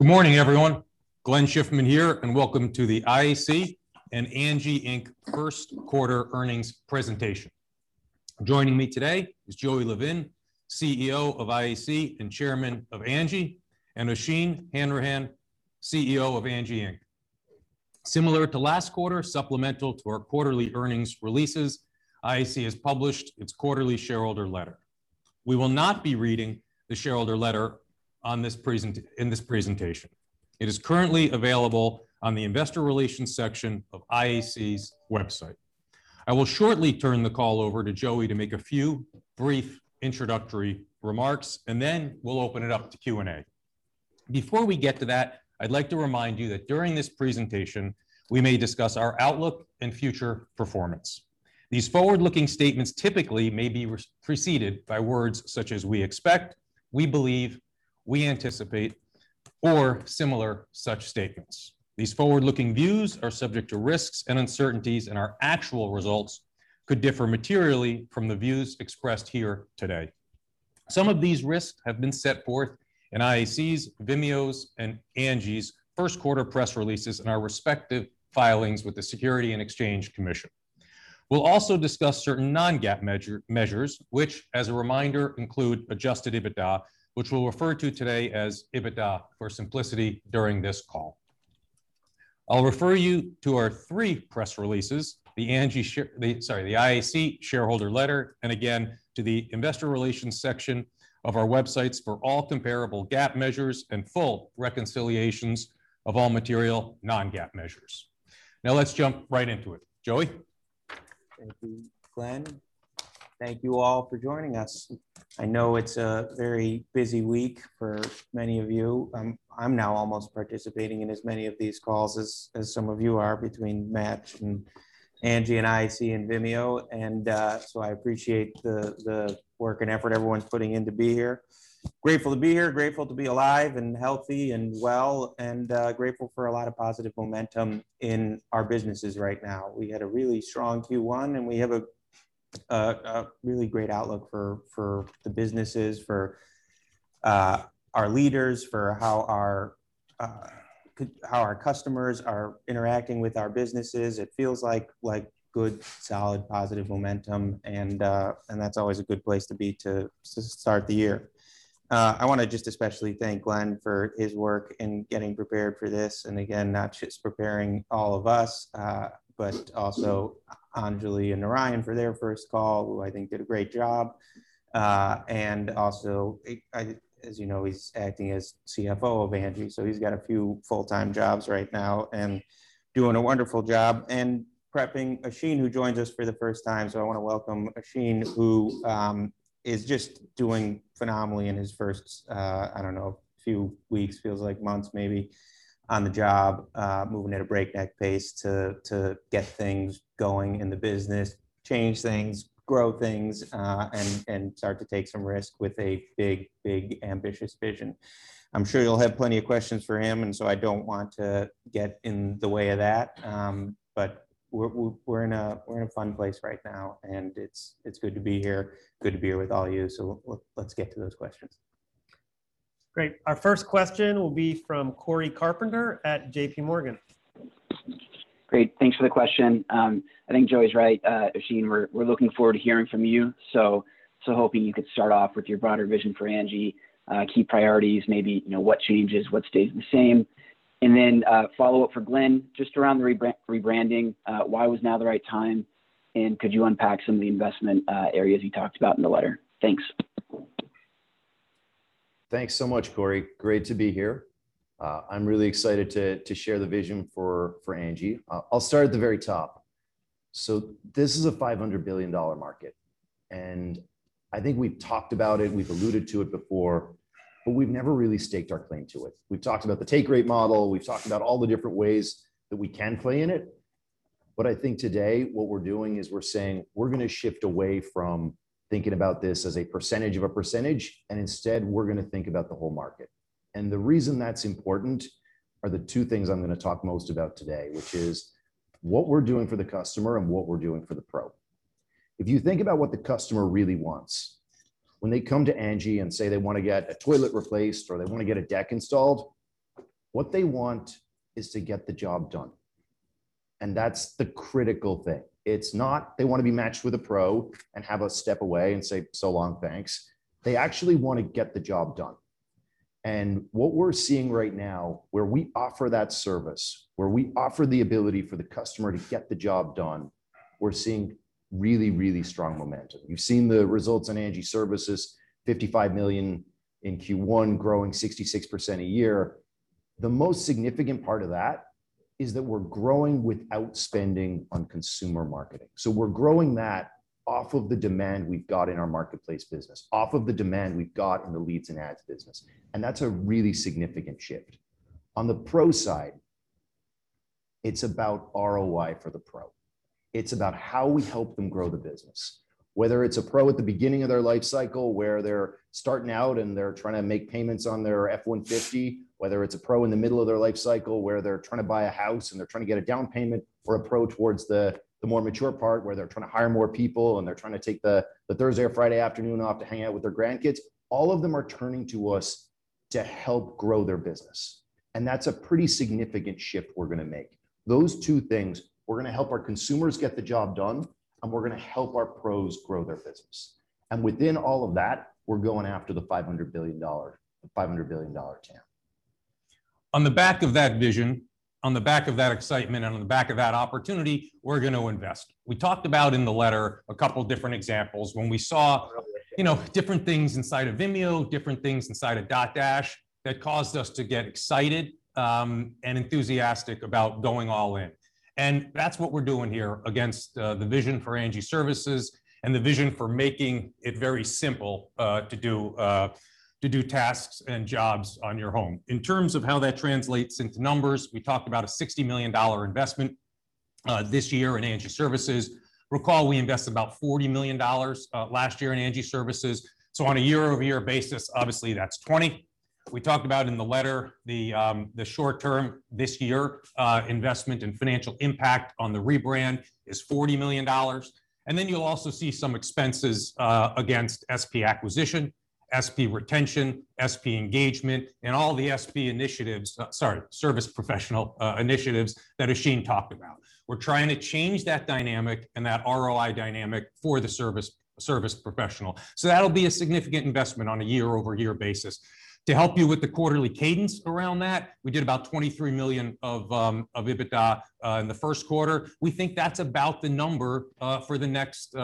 Good morning, everyone. Glenn Schiffman here, and welcome to the IAC and Angi Inc. first quarter earnings presentation. Joining me today is Joey Levin, CEO of IAC and Chairman of Angi, and Oisin Hanrahan, CEO of Angi Inc. Similar to last quarter, supplemental to our quarterly earnings releases, IAC has published its quarterly shareholder letter. We will not be reading the shareholder letter in this presentation. It is currently available on the investor relations section of IAC's website. I will shortly turn the call over to Joey to make a few brief introductory remarks, and then we'll open it up to Q&A. Before we get to that, I'd like to remind you that during this presentation, we may discuss our outlook and future performance. These forward-looking statements typically may be preceded by words such as "we expect," "we believe," "we anticipate," or similar such statements. These forward-looking views are subject to risks and uncertainties, and our actual results could differ materially from the views expressed here today. Some of these risks have been set forth in IAC's, Vimeo's, and Angi's first quarter press releases in our respective filings with the Securities and Exchange Commission. We'll also discuss certain non-GAAP measures, which, as a reminder, include adjusted EBITDA, which we'll refer to today as EBITDA for simplicity during this call. I'll refer you to our three press releases, the IAC shareholder letter, and again, to the investor relations section of our websites for all comparable GAAP measures and full reconciliations of all material non-GAAP measures. Let's jump right into it. Joey? Thank you, Glenn. Thank you all for joining us. I know it's a very busy week for many of you. I'm now almost participating in as many of these calls as some of you are between Match and Angi and IAC and Vimeo. So I appreciate the work and effort everyone's putting in to be here. Grateful to be here, grateful to be alive and healthy and well, and grateful for a lot of positive momentum in our businesses right now. We had a really strong Q1. We have a really great outlook for the businesses, for our leaders, for how our customers are interacting with our businesses. It feels like good, solid, positive momentum. That's always a good place to be to start the year. I want to just especially thank Glenn for his work in getting prepared for this. Again, not just preparing all of us, but also Anjali and Narayan for their first call, who I think did a great job. As you know, he's acting as CFO of Angi, so he's got a few full-time jobs right now and doing a wonderful job, and prepping Oisin, who joins us for the first time. I want to welcome Oisin, who is just doing phenomenally in his first, I don't know, few weeks, feels like months maybe, on the job. Moving at a breakneck pace to get things going in the business, change things, grow things, and start to take some risks with a big, big, ambitious vision. I'm sure you'll have plenty of questions for him, I don't want to get in the way of that. We're in a fun place right now, and it's good to be here. Good to be here with all you. Let's get to those questions. Great. Our first question will be from Cory Carpenter at JPMorgan. Great. Thanks for the question. I think Joey's right. Oisin, we're looking forward to hearing from you. Hoping you could start off with your broader vision for Angi. Key priorities, maybe what changes, what stays the same? Then, follow-up for Glenn, just around the rebranding. Why was now the right time, and could you unpack some of the investment areas you talked about in the letter? Thanks. Thanks so much, Cory. Great to be here. I'm really excited to share the vision for Angi. I'll start at the very top. This is a $500 billion market, and I think we've talked about it, we've alluded to it before, but we've never really staked our claim to it. We've talked about the take rate model. We've talked about all the different ways that we can play in it. I think today what we're doing is we're saying we're going to shift away from thinking about this as a percentage of a percentage, and instead, we're going to think about the whole market. The reason that's important are the two things I'm going to talk most about today, which is what we're doing for the customer and what we're doing for the pro. If you think about what the customer really wants, when they come to Angi and say they want to get a toilet replaced, or they want to get a deck installed, what they want is to get the job done, and that's the critical thing. It's not they want to be matched with a pro and have us step away and say, "So long, thanks." They actually want to get the job done. What we're seeing right now, where we offer that service, where we offer the ability for the customer to get the job done, we're seeing really, really strong momentum. You've seen the results in Angi Services, $55 million in Q1, growing 66% a year. The most significant part of that is that we're growing without spending on consumer marketing. We're growing that off of the demand we've got in our marketplace business, off of the demand we've got in the Leads and Ads business, and that's a really significant shift. On the pro side, it's about ROI for the pro. It's about how we help them grow the business, whether it's a pro at the beginning of their life cycle, where they're starting out and they're trying to make payments on their F-150. Whether it's a pro in the middle of their life cycle, where they're trying to buy a house, and they're trying to get a down payment. For a pro towards the more mature part, where they're trying to hire more people, and they're trying to take the Thursday or Friday afternoon off to hang out with their grandkids. All of them are turning to us. To help grow their business. That's a pretty significant shift we're going to make. Those two things, we're going to help our consumers get the job done, and we're going to help our pros grow their business. Within all of that, we're going after the $500 billion TAM. On the back of that vision, on the back of that excitement, and on the back of that opportunity, we're going to invest. We talked about in the letter a couple different examples when we saw different things inside of Vimeo, different things inside of Dotdash, that caused us to get excited and enthusiastic about going all in. That's what we're doing here against the vision for Angi Services and the vision for making it very simple to do tasks and jobs on your home. In terms of how that translates into numbers, we talked about a $60 million investment this year in Angi Services. Recall, we invested about $40 million last year in Angi Services. On a year-over-year basis, obviously that's 20. We talked about in the letter the short term this year investment and financial impact on the rebrand is $40 million. You'll also see some expenses against SP acquisition, SP retention, SP engagement, and all the SP initiatives, sorry, service professional initiatives that Oisin talked about. We're trying to change that dynamic and that ROI dynamic for the service professional. That'll be a significant investment on a year-over-year basis. To help you with the quarterly cadence around that, we did about $23 million of EBITDA in the first quarter. We think that's about the number for the next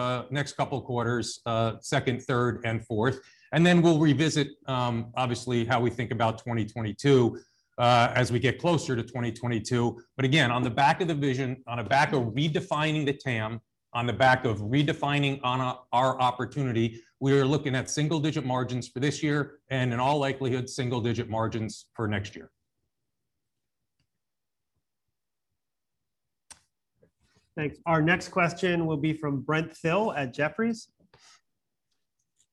couple quarters, second, third, and fourth. We'll revisit, obviously, how we think about 2022 as we get closer to 2022. On the back of the vision, on the back of redefining the TAM, on the back of redefining our opportunity, we are looking at single-digit margins for this year, and in all likelihood, single-digit margins for next year. Thanks. Our next question will be from Brent Thill at Jefferies.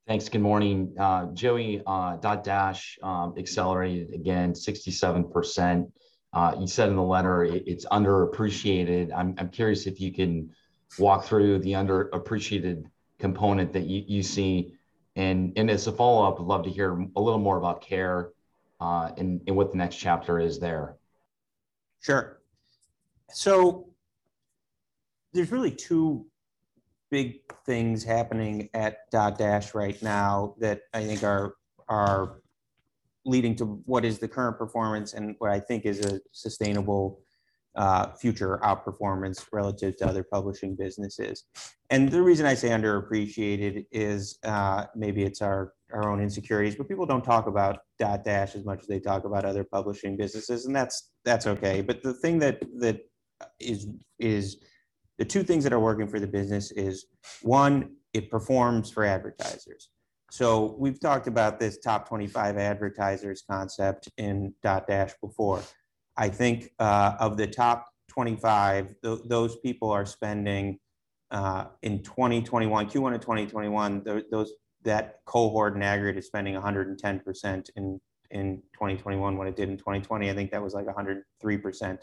Thanks. Good morning. Joey, Dotdash accelerated again 67%. You said in the letter it's underappreciated. I'm curious if you can walk through the underappreciated component that you see. As a follow-up, would love to hear a little more about Care.com and what the next chapter is there. Sure. There's really two big things happening at Dotdash right now that I think are leading to what is the current performance and what I think is a sustainable future outperformance relative to other publishing businesses. The reason I say underappreciated is, maybe it's our own insecurities, but people don't talk about Dotdash as much as they talk about other publishing businesses, and that's okay. The two things that are working for the business is, one, it performs for advertisers. We've talked about this top 25 advertisers concept in Dotdash before. I think, of the top 25, those people are spending in 2021, Q1 of 2021, that cohort in aggregate is spending 110% in 2021 what it did in 2020. I think that was like 103%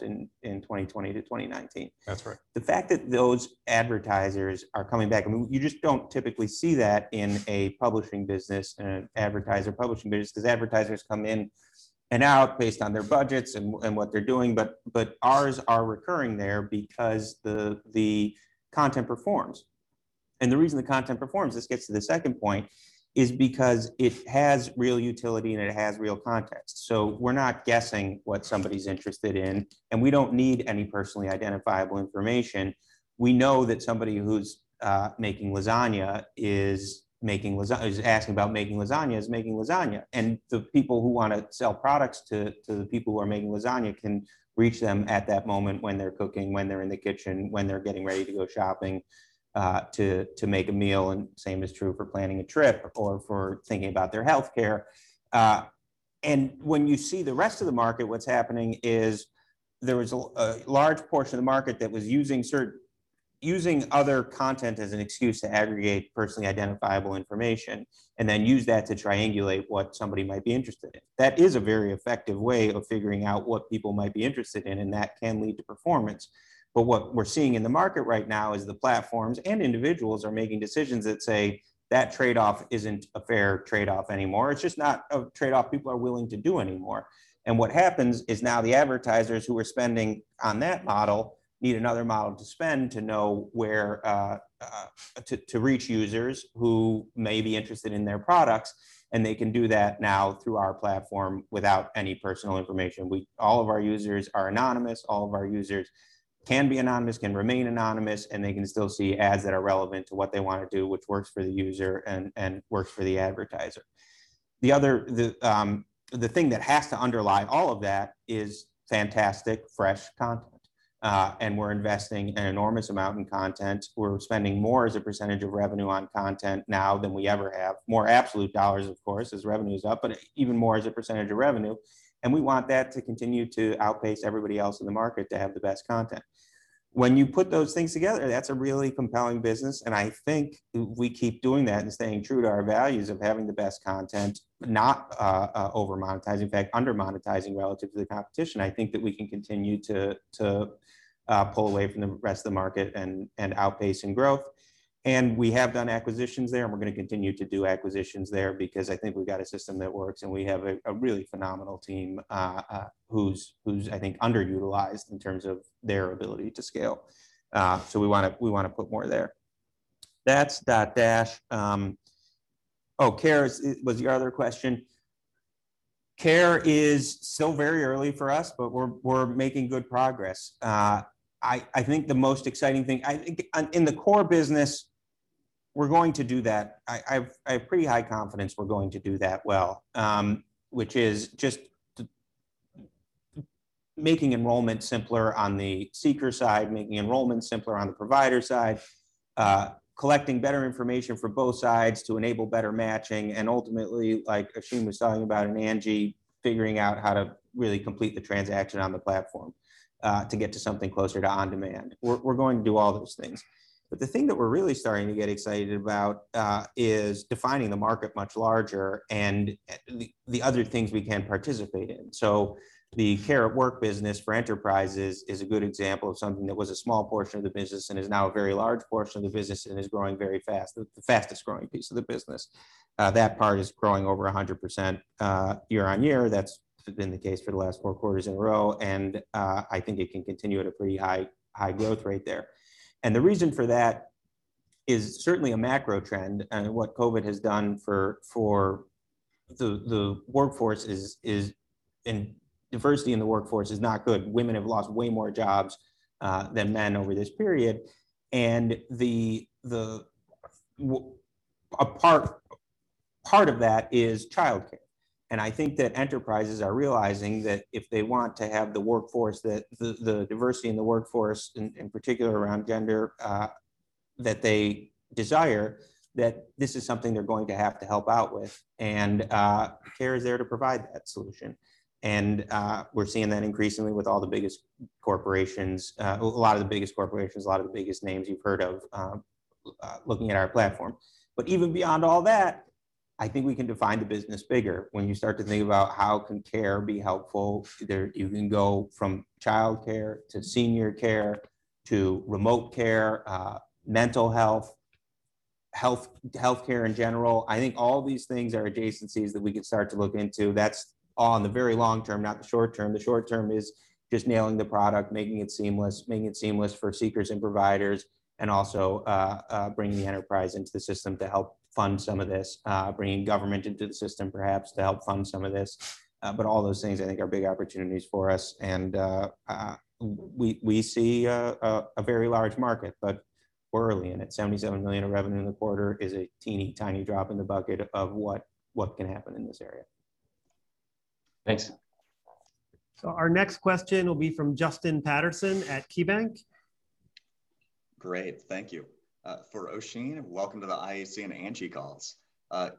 in 2020-2019. That's right. The fact that those advertisers are coming back, I mean, you just don't typically see that in a publishing business, in an advertiser publishing business because advertisers come in and out based on their budgets and what they're doing. Ours are recurring there because the content performs. The reason the content performs, this gets to the second point, is because it has real utility and it has real context. We're not guessing what somebody's interested in, and we don't need any personally identifiable information. We know that somebody who's asking about making lasagna is making lasagna. The people who want to sell products to the people who are making lasagna can reach them at that moment when they're cooking, when they're in the kitchen, when they're getting ready to go shopping to make a meal, and same is true for planning a trip or for thinking about their healthcare. When you see the rest of the market, what's happening is there was a large portion of the market that was using other content as an excuse to aggregate personally identifiable information and then use that to triangulate what somebody might be interested in. That is a very effective way of figuring out what people might be interested in, and that can lead to performance. What we're seeing in the market right now is the platforms and individuals are making decisions that say that trade-off isn't a fair trade-off anymore. It's just not a trade-off people are willing to do anymore. What happens is now the advertisers who are spending on that model need another model to spend to reach users who may be interested in their products, and they can do that now through our platform without any personal information. All of our users are anonymous, all of our users can be anonymous, can remain anonymous, and they can still see ads that are relevant to what they want to do, which works for the user and works for the advertiser. The thing that has to underlie all of that is fantastic, fresh content. We're investing an enormous amount in content. We're spending more as a percentage of revenue on content now than we ever have. More absolute dollars, of course, as revenue's up, but even more as a percentage of revenue, and we want that to continue to outpace everybody else in the market to have the best content. When you put those things together, that's a really compelling business. I think if we keep doing that and staying true to our values of having the best content, not over-monetizing, in fact, under-monetizing relative to the competition, I think that we can continue to pull away from the rest of the market and outpace in growth. We have done acquisitions there, and we're going to continue to do acquisitions there because I think we've got a system that works, and we have a really phenomenal team who's I think underutilized in terms of their ability to scale. We want to put more there. That's Dotdash. Oh, Care was your other question. Care is still very early for us, but we're making good progress. I think the most exciting thing. In the core business, we're going to do that. I have pretty high confidence we're going to do that well, which is just making enrollment simpler on the seeker side, making enrollment simpler on the provider side, collecting better information from both sides to enable better matching, and ultimately, like Oisin was talking about, and Angi, figuring out how to really complete the transaction on the platform to get to something closer to on-demand. We're going to do all those things. The thing that we're really starting to get excited about is defining the market much larger and the other things we can participate in. The Care@Work business for enterprises is a good example of something that was a small portion of the business and is now a very large portion of the business and is growing very fast, the fastest-growing piece of the business. That part is growing over 100% year-over-year. That's been the case for the last four quarters in a row, I think it can continue at a pretty high growth rate there. The reason for that is certainly a macro trend and what COVID has done for the workforce and diversity in the workforce is not good. Women have lost way more jobs than men over this period, part of that is childcare. I think that enterprises are realizing that if they want to have the diversity in the workforce, in particular around gender, that they desire, that this is something they're going to have to help out with. Care is there to provide that solution. We're seeing that increasingly with all the biggest corporations, a lot of the biggest corporations, a lot of the biggest names you've heard of looking at our platform. Even beyond all that, I think we can define the business bigger. When you start to think about how can Care be helpful, you can go from childcare to senior care, to remote care, mental health, healthcare in general. I think all these things are adjacencies that we could start to look into. That's all in the very long term, not the short term. The short term is just nailing the product, making it seamless, making it seamless for seekers and providers, and also bringing the enterprise into the system to help fund some of this, bringing government into the system perhaps to help fund some of this. All those things, I think, are big opportunities for us. We see a very large market, but we're early in it. $77 million of revenue in the quarter is a teeny-tiny drop in the bucket of what can happen in this area. Thanks. Our next question will be from Justin Patterson at KeyBanc. Great. Thank you. For Oisin, welcome to the IAC and Angi calls.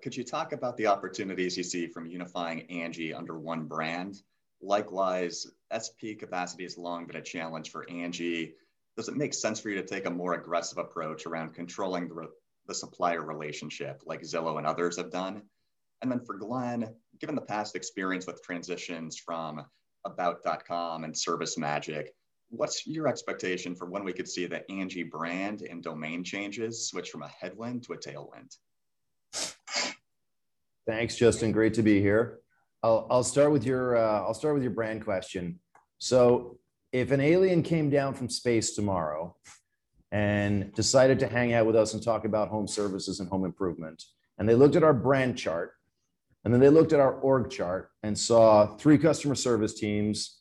Could you talk about the opportunities you see from unifying Angi under one brand? Likewise, SP capacity has long been a challenge for Angi. Does it make sense for you to take a more aggressive approach around controlling the supplier relationship like Zillow and others have done? For Glenn, given the past experience with transitions from About.com and ServiceMagic, what's your expectation for when we could see the Angi brand and domain changes switch from a headwind to a tailwind? Thanks, Justin. Great to be here. I'll start with your brand question. If an alien came down from space tomorrow and decided to hang out with us and talk about home services and home improvement, and they looked at our brand chart, then they looked at our org chart and saw three customer service teams,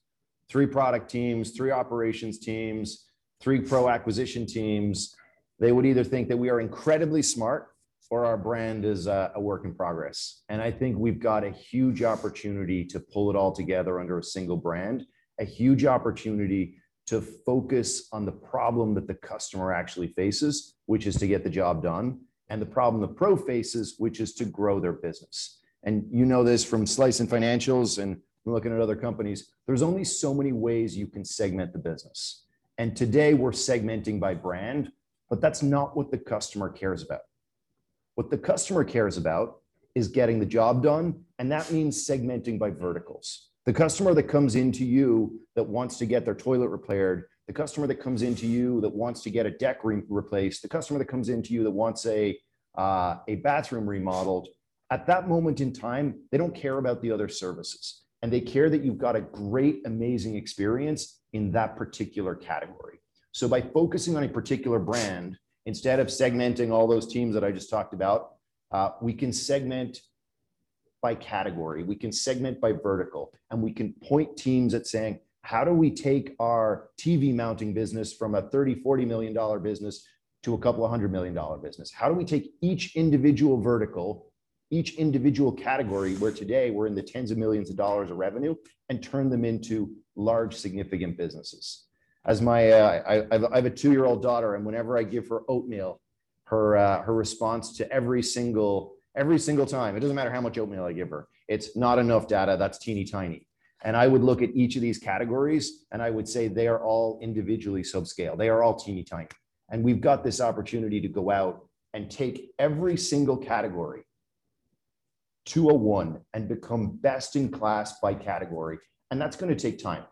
three product teams, three operations teams, three pro acquisition teams, they would either think that we are incredibly smart or our brand is a work in progress. I think we've got a huge opportunity to pull it all together under a single brand, a huge opportunity to focus on the problem that the customer actually faces, which is to get the job done, and the problem the pro faces, which is to grow their business. You know this from slicing financials and from looking at other companies, there's only so many ways you can segment the business. Today we're segmenting by brand, but that's not what the customer cares about. What the customer cares about is getting the job done, and that means segmenting by verticals. The customer that comes into you that wants to get their toilet repaired, the customer that comes into you that wants to get a deck replaced, the customer that comes into you that wants a bathroom remodeled, at that moment in time, they don't care about the other services, and they care that you've got a great, amazing experience in that particular category. By focusing on a particular brand, instead of segmenting all those teams that I just talked about, we can segment by category, we can segment by vertical, and we can point teams at saying, "How do we take our TV mounting business from a $30 million, $40 million business to a $200 million business? How do we take each individual vertical, each individual category, where today we're in the tens of millions of dollars of revenue, and turn them into large, significant businesses?" I have a two year-old daughter, and whenever I give her oatmeal Her response to every single time, it doesn't matter how much oatmeal I give her, it's not enough data. That's teeny-tiny. I would look at each of these categories, and I would say they are all individually sub-scale. They are all teeny-tiny. We've got this opportunity to go out and take every single category, 201 and become best in class by category, and that's going to take time.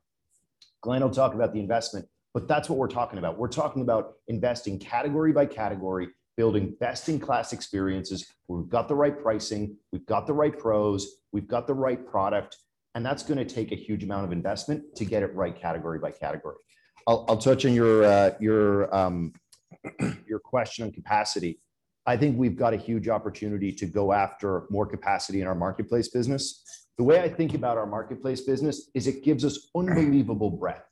Glenn will talk about the investment, but that's what we're talking about. We're talking about investing category by category, building best-in-class experiences, where we've got the right pricing, we've got the right pros, we've got the right product, and that's going to take a huge amount of investment to get it right category by category. I'll touch on your question on capacity. I think we've got a huge opportunity to go after more capacity in our marketplace business. The way I think about our marketplace business is it gives us unbelievable breadth.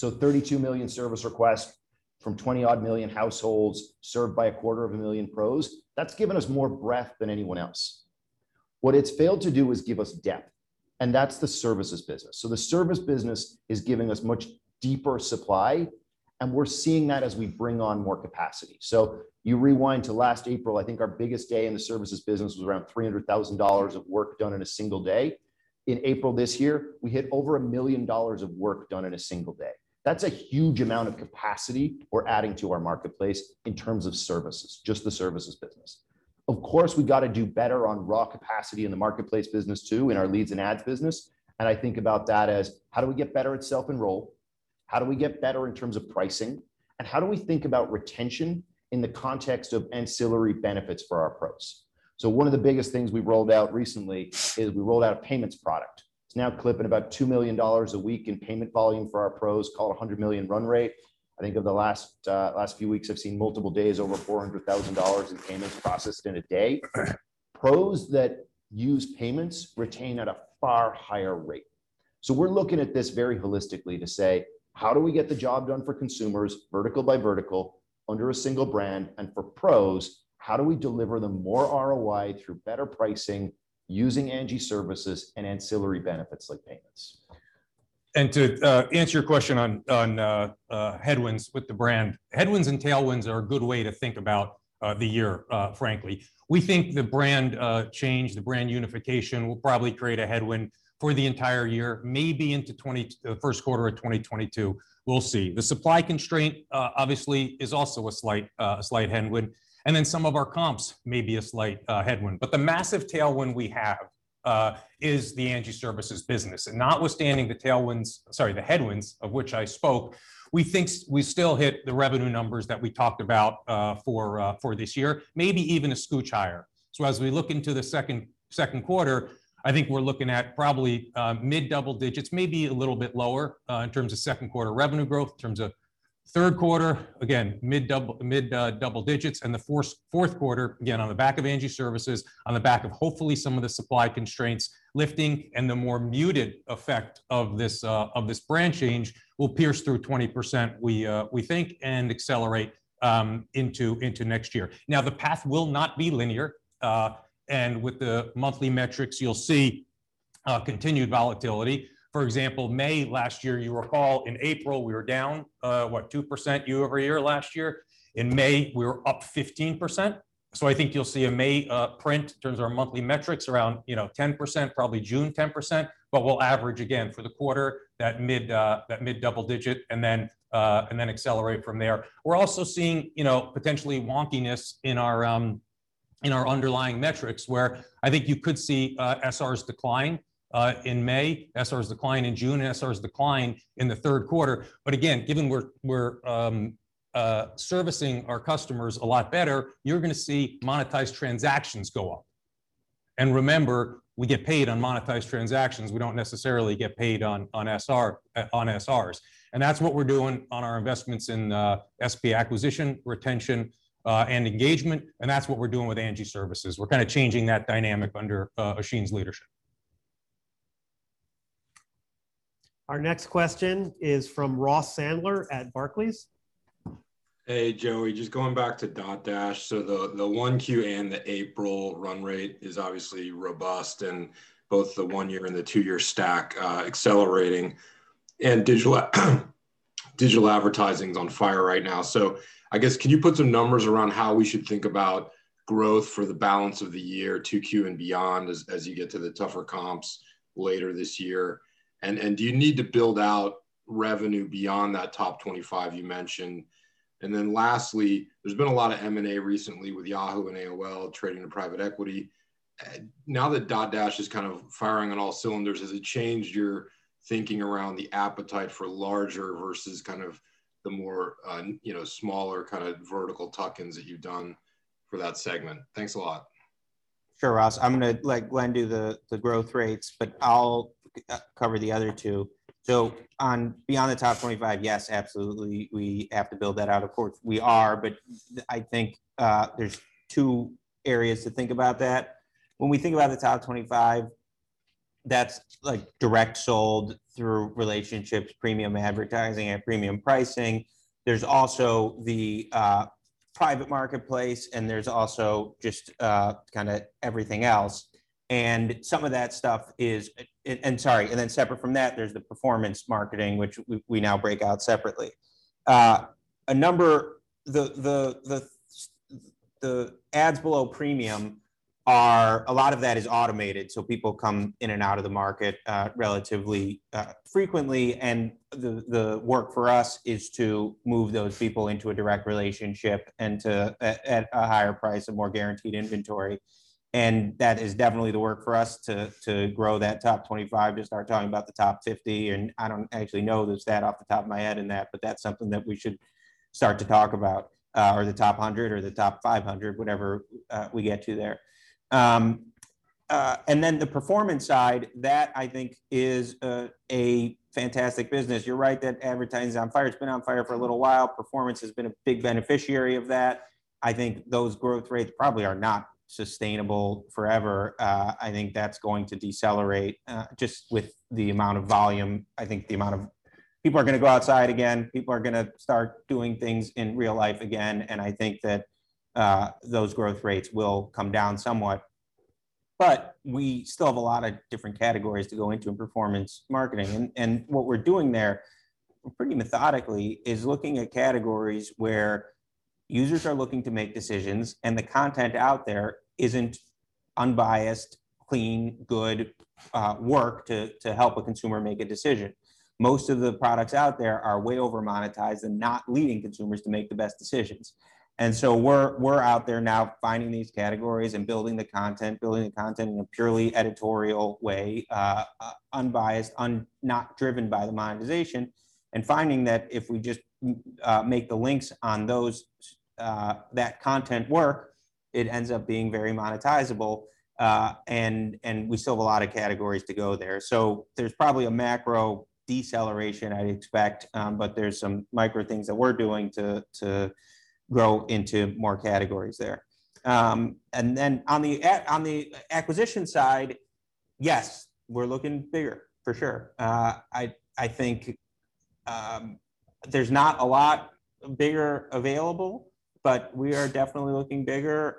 32 million service requests from 20-odd million households served by a quarter of a million pros, that's given us more breadth than anyone else. What it's failed to do is give us depth, and that's the services business. The services business is giving us much deeper supply, and we're seeing that as we bring on more capacity. You rewind to last April, I think our biggest day in the services business was around $300,000 of work done in a single day. In April this year, we hit over $1 million of work done in a single day. That's a huge amount of capacity we're adding to our marketplace in terms of services, just the services business. We got to do better on raw capacity in the marketplace business too, in our leads and ads business. I think about that as how do we get better at self-enroll? How do we get better in terms of pricing? How do we think about retention in the context of ancillary benefits for our pros? One of the biggest things we rolled out recently is we rolled out a payments product. It's now clipping about $2 million a week in payment volume for our pros, call it $100 million run rate. I think over the last few weeks I've seen multiple days over $400,000 in payments processed in a day. Pros that use payments retain at a far higher rate. We're looking at this very holistically to say, how do we get the job done for consumers, vertical-by-vertical, under a single brand? For pros, how do we deliver them more ROI through better pricing using Angi Services and ancillary benefits like payments? To answer your question on headwinds with the brand, headwinds and tailwinds are a good way to think about the year, frankly. We think the brand change, the brand unification, will probably create a headwind for the entire year, maybe into Q1 2022. We'll see. The supply constraint, obviously, is also a slight headwind, and then some of our comps may be a slight headwind. The massive tailwind we have is the Angi Services business. Notwithstanding the headwinds, of which I spoke, we think we still hit the revenue numbers that we talked about for this year, maybe even a scooch higher. As we look into the second quarter, I think we're looking at probably mid double digits, maybe a little bit lower in terms of second quarter revenue growth. In terms of third quarter, again, mid double digits. The fourth quarter, again, on the back of Angi Services, on the back of hopefully some of the supply constraints lifting and the more muted effect of this brand change, will pierce through 20%, we think, and accelerate into next year. The path will not be linear. With the monthly metrics, you'll see continued volatility. For example, May last year, you recall in April we were down, what, 2% year-over-year last year. In May, we were up 15%. I think you'll see a May print in terms of our monthly metrics around 10%, probably June 10%, but we'll average again for the quarter that mid double digit and then accelerate from there. We're also seeing potentially wonkiness in our underlying metrics where I think you could see SRs decline in May, SRs decline in June, and SRs decline in the third quarter. Again, given we're servicing our customers a lot better, you're going to see monetized transactions go up. Remember, we get paid on monetized transactions. We don't necessarily get paid on SRs. That's what we're doing on our investments in SP acquisition, retention, and engagement, and that's what we're doing with Angi Services. We're kind of changing that dynamic under Oisin's leadership. Our next question is from Ross Sandler at Barclays. Hey, Joey. Just going back to Dotdash. The Q1 and the April run rate is obviously robust and both the one year and the two year stack accelerating, and digital advertising's on fire right now. I guess can you put some numbers around how we should think about growth for the balance of the year, Q2 and beyond, as you get to the tougher comps later this year? Do you need to build out revenue beyond that top 25 you mentioned? Lastly, there's been a lot of M&A recently with Yahoo and AOL trading to private equity. Now that Dotdash is kind of firing on all cylinders, has it changed your thinking around the appetite for larger versus kind of the more smaller kind of vertical tuck-ins that you've done for that segment? Thanks a lot. Sure, Ross. I'm going to let Glenn do the growth rates, but I'll cover the other two. On beyond the top 25, yes, absolutely, we have to build that out. Of course, we are, but I think there's two areas to think about that. When we think about the top 25, that's direct sold through relationships, premium advertising, and premium pricing. There's also the private marketplace, and there's also just kind of everything else. Sorry, then separate from that, there's the performance marketing which we now break out separately. The ads below premium, a lot of that is automated, so people come in and out of the market relatively frequently. The work for us is to move those people into a direct relationship at a higher price of more guaranteed inventory. That is definitely the work for us to grow that top 25, to start talking about the top 50. I don't actually know the stat off the top of my head in that, but that's something that we should start to talk about. The top 100 or the top 500, whatever we get to there. Then the performance side, that I think is a fantastic business. You're right that advertising's on fire. It's been on fire for a little while. Performance has been a big beneficiary of that. I think those growth rates probably are not sustainable forever. I think that's going to decelerate just with the amount of volume. People are going to go outside again. People are going to start doing things in real life again, and I think that those growth rates will come down somewhat. We still have a lot of different categories to go into in performance marketing. What we're doing there, pretty methodically, is looking at categories where users are looking to make decisions, and the content out there isn't unbiased, clean, good work to help a consumer make a decision. Most of the products out there are way over-monetized and not leading consumers to make the best decisions. We're out there now finding these categories and building the content, building the content in a purely editorial way, unbiased, not driven by the monetization. Finding that if we just make the links on that content work, it ends up being very monetizable. We still have a lot of categories to go there. There's probably a macro deceleration I'd expect, but there's some micro things that we're doing to grow into more categories there. On the acquisition side, yes, we're looking bigger for sure. I think there's not a lot bigger available, but we are definitely looking bigger.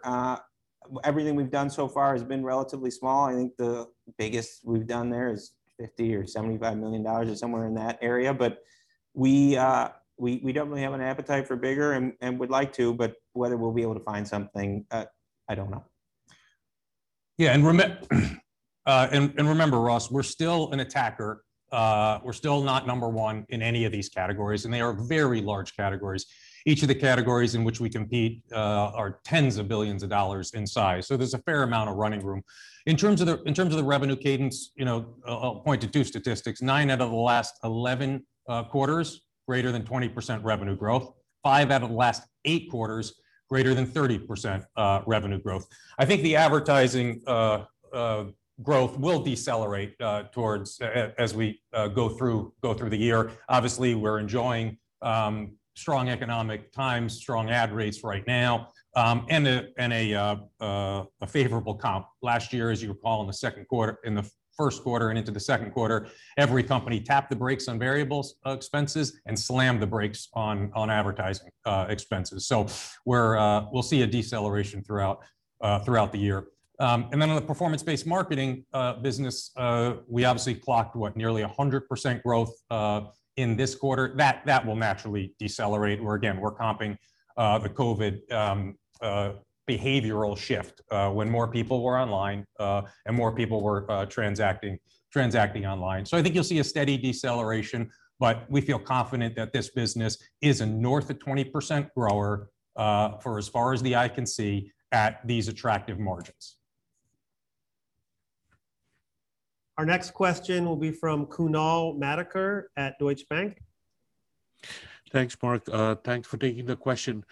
Everything we've done so far has been relatively small. I think the biggest we've done there is $50 million or $75 million, or somewhere in that area. We definitely have an appetite for bigger and would like to, but whether we'll be able to find something, I don't know. Remember, Ross, we're still an attacker. We're still not number one in any of these categories, and they are very large categories. Each of the categories in which we compete are tens of billions of dollars in size, so there's a fair amount of running room. In terms of the revenue cadence, I'll point to two statistics. Nine out of the last 11 quarters, greater than 20% revenue growth. Five out of the last eight quarters, greater than 30% revenue growth. I think the advertising growth will decelerate as we go through the year. Obviously, we're enjoying strong economic times, strong ad rates right now, and a favorable comp. Last year, as you recall, in the first quarter and into the second quarter, every company tapped the brakes on variable expenses and slammed the brakes on advertising expenses. We'll see a deceleration throughout the year. Then on the performance-based marketing business, we obviously clocked, what, nearly 100% growth in this quarter. That will naturally decelerate, where again, we're comping the COVID behavioral shift when more people were online and more people were transacting online. I think you'll see a steady deceleration, but we feel confident that this business is a north of 20% grower, for as far as the eye can see, at these attractive margins. Our next question will be from Kunal Madhukar at Deutsche Bank. Thanks, Mark. Thanks for taking the question.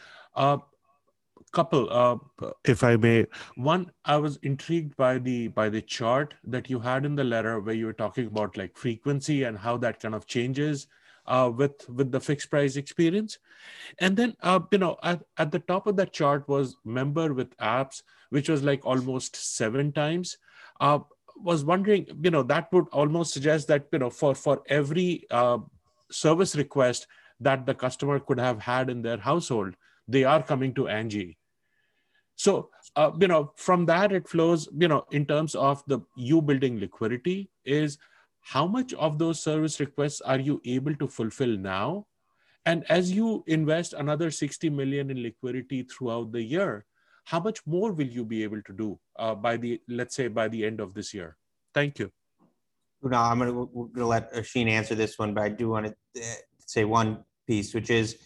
Couple, if I may. One, I was intrigued by the chart that you had in the letter where you were talking about frequency and how that kind of changes with the fixed price experience. Then at the top of that chart was member with apps, which was almost seven times. Was wondering, that would almost suggest that for every service request that the customer could have had in their household, they are coming to Angi. From that, it flows, in terms of you building liquidity, is how much of those service requests are you able to fulfill now? As you invest another $60 million in liquidity throughout the year, how much more will you be able to do, let's say, by the end of this year? Thank you. Kunal, I'm going to let Oisin answer this one, but I do want to say one piece, which is,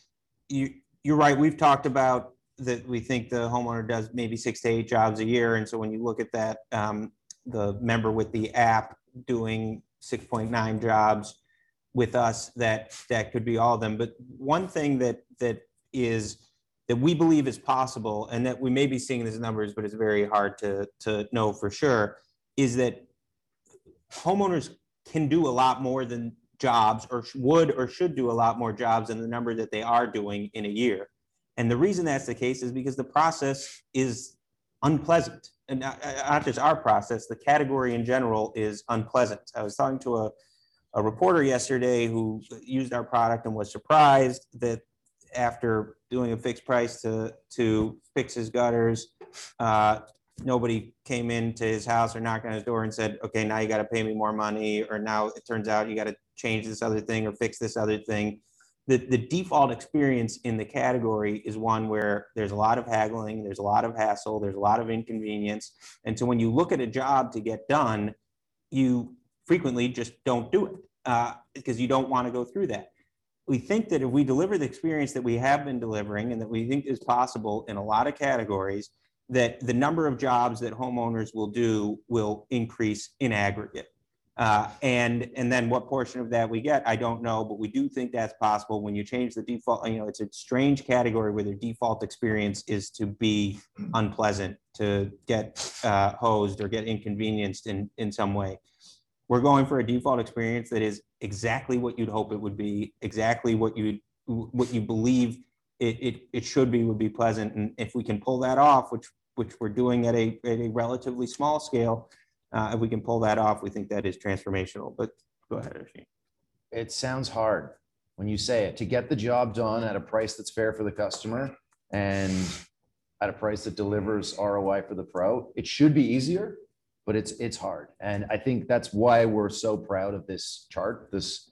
you're right. We've talked about that we think the homeowner does maybe six to eight jobs a year, and so when you look at that, the member with the app doing 6.9 jobs with us, that could be all of them. One thing that we believe is possible, and that we may be seeing these numbers, but it's very hard to know for sure, is that homeowners can do a lot more than jobs or would or should do a lot more jobs than the number that they are doing in a year. The reason that's the case is because the process is unpleasant. Not just our process, the category in general is unpleasant. I was talking to a reporter yesterday who used our product and was surprised that After doing a fixed price to fix his gutters, nobody came into his house or knocked on his door and said, "Okay, now you got to pay me more money," or, "Now it turns out you got to change this other thing or fix this other thing." The default experience in the category is one where there's a lot of haggling, there's a lot of hassle, there's a lot of inconvenience. When you look at a job to get done, you frequently just don't do it, because you don't want to go through that. We think that if we deliver the experience that we have been delivering and that we think is possible in a lot of categories, that the number of jobs that homeowners will do will increase in aggregate. What portion of that we get, I don't know, but we do think that's possible when you change the default. It's a strange category where the default experience is to be unpleasant, to get hosed or get inconvenienced in some way. We're going for a default experience that is exactly what you'd hope it would be, exactly what you believe it should be, would be pleasant. If we can pull that off, which we're doing at a relatively small scale, if we can pull that off, we think that is transformational. Go ahead, Oisin. It sounds hard when you say it. To get the job done at a price that's fair for the customer and at a price that delivers ROI for the pro, it should be easier, but it's hard. I think that's why we're so proud of this chart, this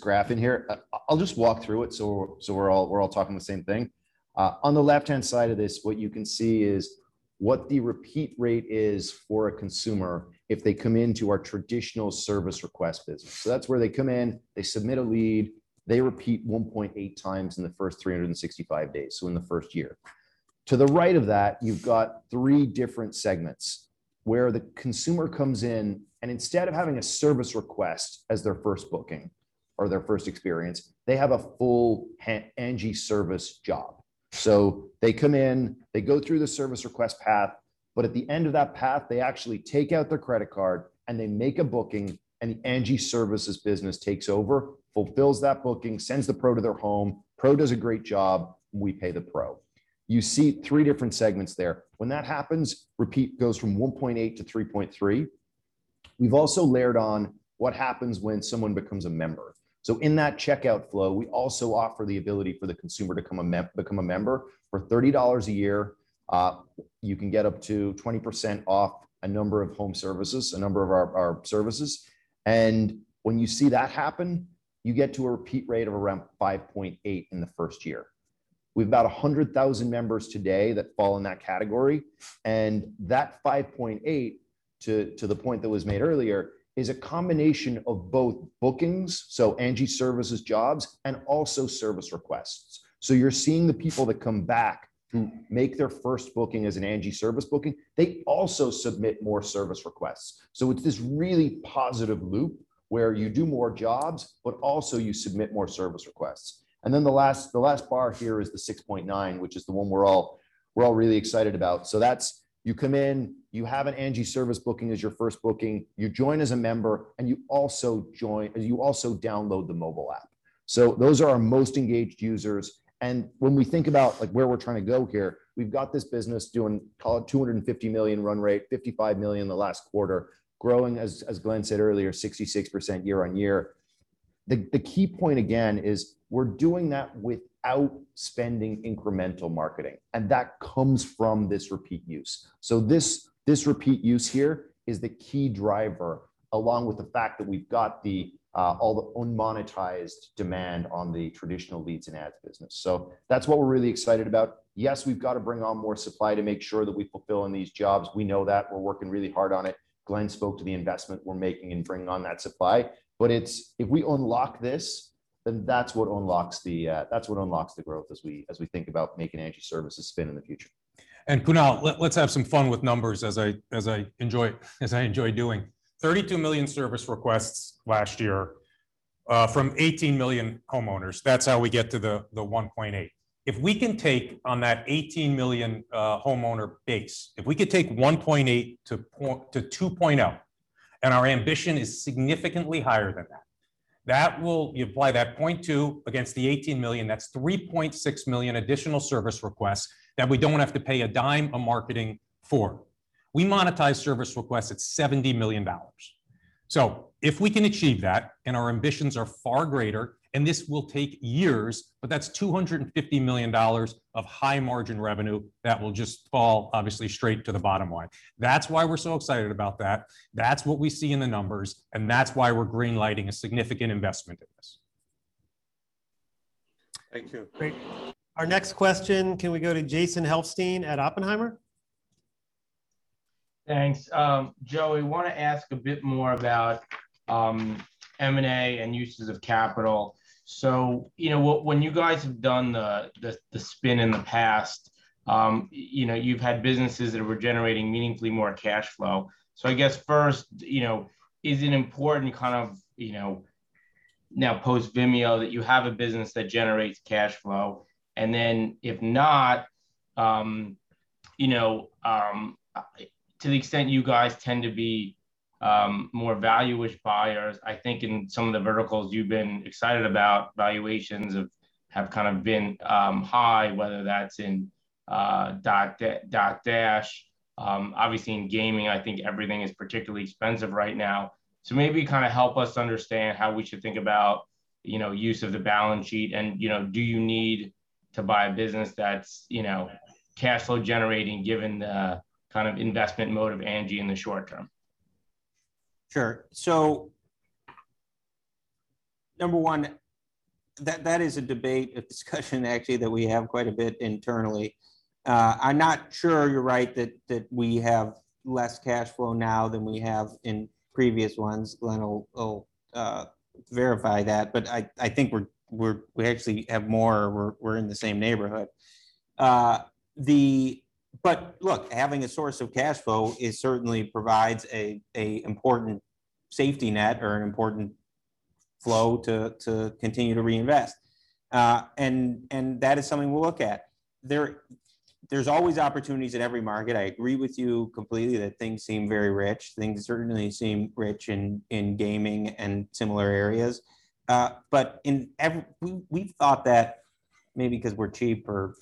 graph in here. I'll just walk through it so we're all talking the same thing. On the left-hand side of this, what you can see is what the repeat rate is for a consumer if they come into our traditional service request business. That's where they come in, they submit a lead, they repeat 1.8 times in the first 365 days, so in the first year. To the right of that, you've got three different segments where the consumer comes in, and instead of having a service request as their first booking or their first experience, they have a full Angi service job. They come in, they go through the service request path, at the end of that path, they actually take out their credit card and they make a booking, the Angi Services business takes over, fulfills that booking, sends the pro to their home, pro does a great job, and we pay the pro. You see three different segments there. When that happens, repeat goes from 1.8 to 3.3. We've also layered on what happens when someone becomes a member. In that checkout flow, we also offer the ability for the consumer to become a member. For $30 a year, you can get up to 20% off a number of home services, a number of our services. When you see that happen, you get to a repeat rate of around 5.8 in the first year. We've got 100,000 members today that fall in that category, and that 5.8, to the point that was made earlier, is a combination of both bookings, so Angi Services jobs, and also service requests. You're seeing the people that come back who make their first booking as an Angi Service booking, they also submit more service requests. The last bar here is the 6.9, which is the one we're all really excited about. That's, you come in, you have an Angi Service booking as your first booking, you join as a member, and you also download the mobile app. Those are our most engaged users, and when we think about where we're trying to go here, we've got this business doing call it $250 million run rate, $55 million in the last quarter, growing, as Glenn said earlier, 66% year-on-year. The key point, again, is we're doing that without spending incremental marketing, and that comes from this repeat use. This repeat use here is the key driver, along with the fact that we've got all the unmonetized demand on the traditional leads and ads business. That's what we're really excited about. Yes, we've got to bring on more supply to make sure that we fulfill on these jobs. We know that. We're working really hard on it. Glenn spoke to the investment we're making in bringing on that supply. If we unlock this, then that's what unlocks the growth as we think about making Angi Services spin in the future. Kunal, let's have some fun with numbers as I enjoy doing. 32 million service requests last year from 18 million homeowners. That's how we get to the 1.8. If we can take on that 18 million homeowner base, if we could take 1.8-2.0, and our ambition is significantly higher than that, you apply that 0.2 against the 18 million, that's 3.6 million additional service requests that we don't have to pay a dime of marketing for. We monetize service requests at $70 million. If we can achieve that, and our ambitions are far greater, and this will take years, that's $250 million of high-margin revenue that will just fall obviously straight to the bottom line. That's why we're so excited about that. That's what we see in the numbers, and that's why we're green-lighting a significant investment in this. Thank you. Great. Our next question, can we go to Jason Helfstein at Oppenheimer? Thanks. Joey, I want to ask a bit more about M&A and uses of capital. When you guys have done the spin in the past, you've had businesses that were generating meaningfully more cash flow. I guess first, is it important kind of now post-Vimeo that you have a business that generates cash flow? Then if not, to the extent you guys tend to be more value-ish buyers, I think in some of the verticals you've been excited about valuations have kind of been high, whether that's in Dotdash. Obviously in gaming, I think everything is particularly expensive right now. Maybe kind of help us understand how we should think about use of the balance sheet and do you need to buy a business that's cash flow generating, given the kind of investment mode of Angi in the short term? Sure. Number one, that is a debate, a discussion actually, that we have quite a bit internally. I'm not sure you're right that we have less cash flow now than we have in previous ones. Glenn will verify that, but I think we actually have more, or we're in the same neighborhood. Look, having a source of cash flow, it certainly provides an important safety net or an important flow to continue to reinvest. That is something we'll look at. There's always opportunities in every market. I agree with you completely that things seem very rich. Things certainly seem rich in gaming and similar areas. We've thought that maybe because we're cheap or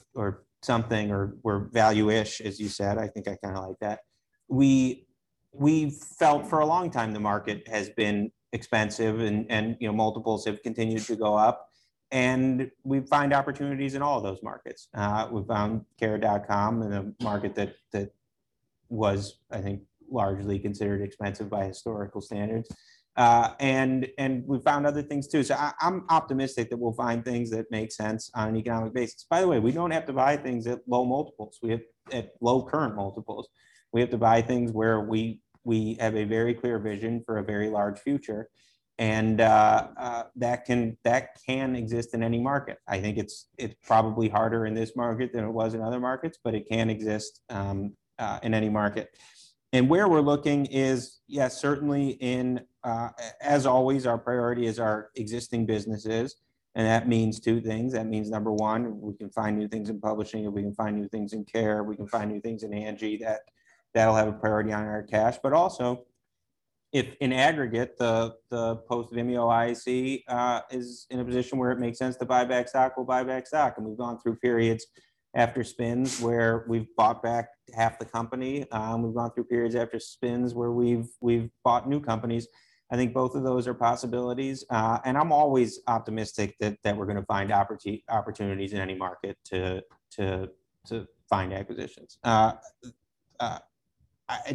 something, or we're value-ish, as you said, I think I kind of like that. We've felt for a long time the market has been expensive and multiples have continued to go up, and we find opportunities in all of those markets. We found Care.com in a market that was, I think, largely considered expensive by historical standards. We've found other things too. I'm optimistic that we'll find things that make sense on an economic basis. By the way, we don't have to buy things at low multiples. We have low current multiples. We have to buy things where we have a very clear vision for a very large future, and that can exist in any market. I think it's probably harder in this market than it was in other markets, but it can exist in any market. Where we're looking is, certainly as always, our priority is our existing businesses, and that means two things. That means, number one, we can find new things in publishing, and we can find new things in care. We can find new things in Angi that'll have a priority on our cash. Also, if in aggregate, the post Vimeo IAC is in a position where it makes sense to buy back stock, we'll buy back stock. We've gone through periods after spins where we've bought back half the company. We've gone through periods after spins where we've bought new companies. I think both of those are possibilities. I'm always optimistic that we're going to find opportunities in any market to find acquisitions. In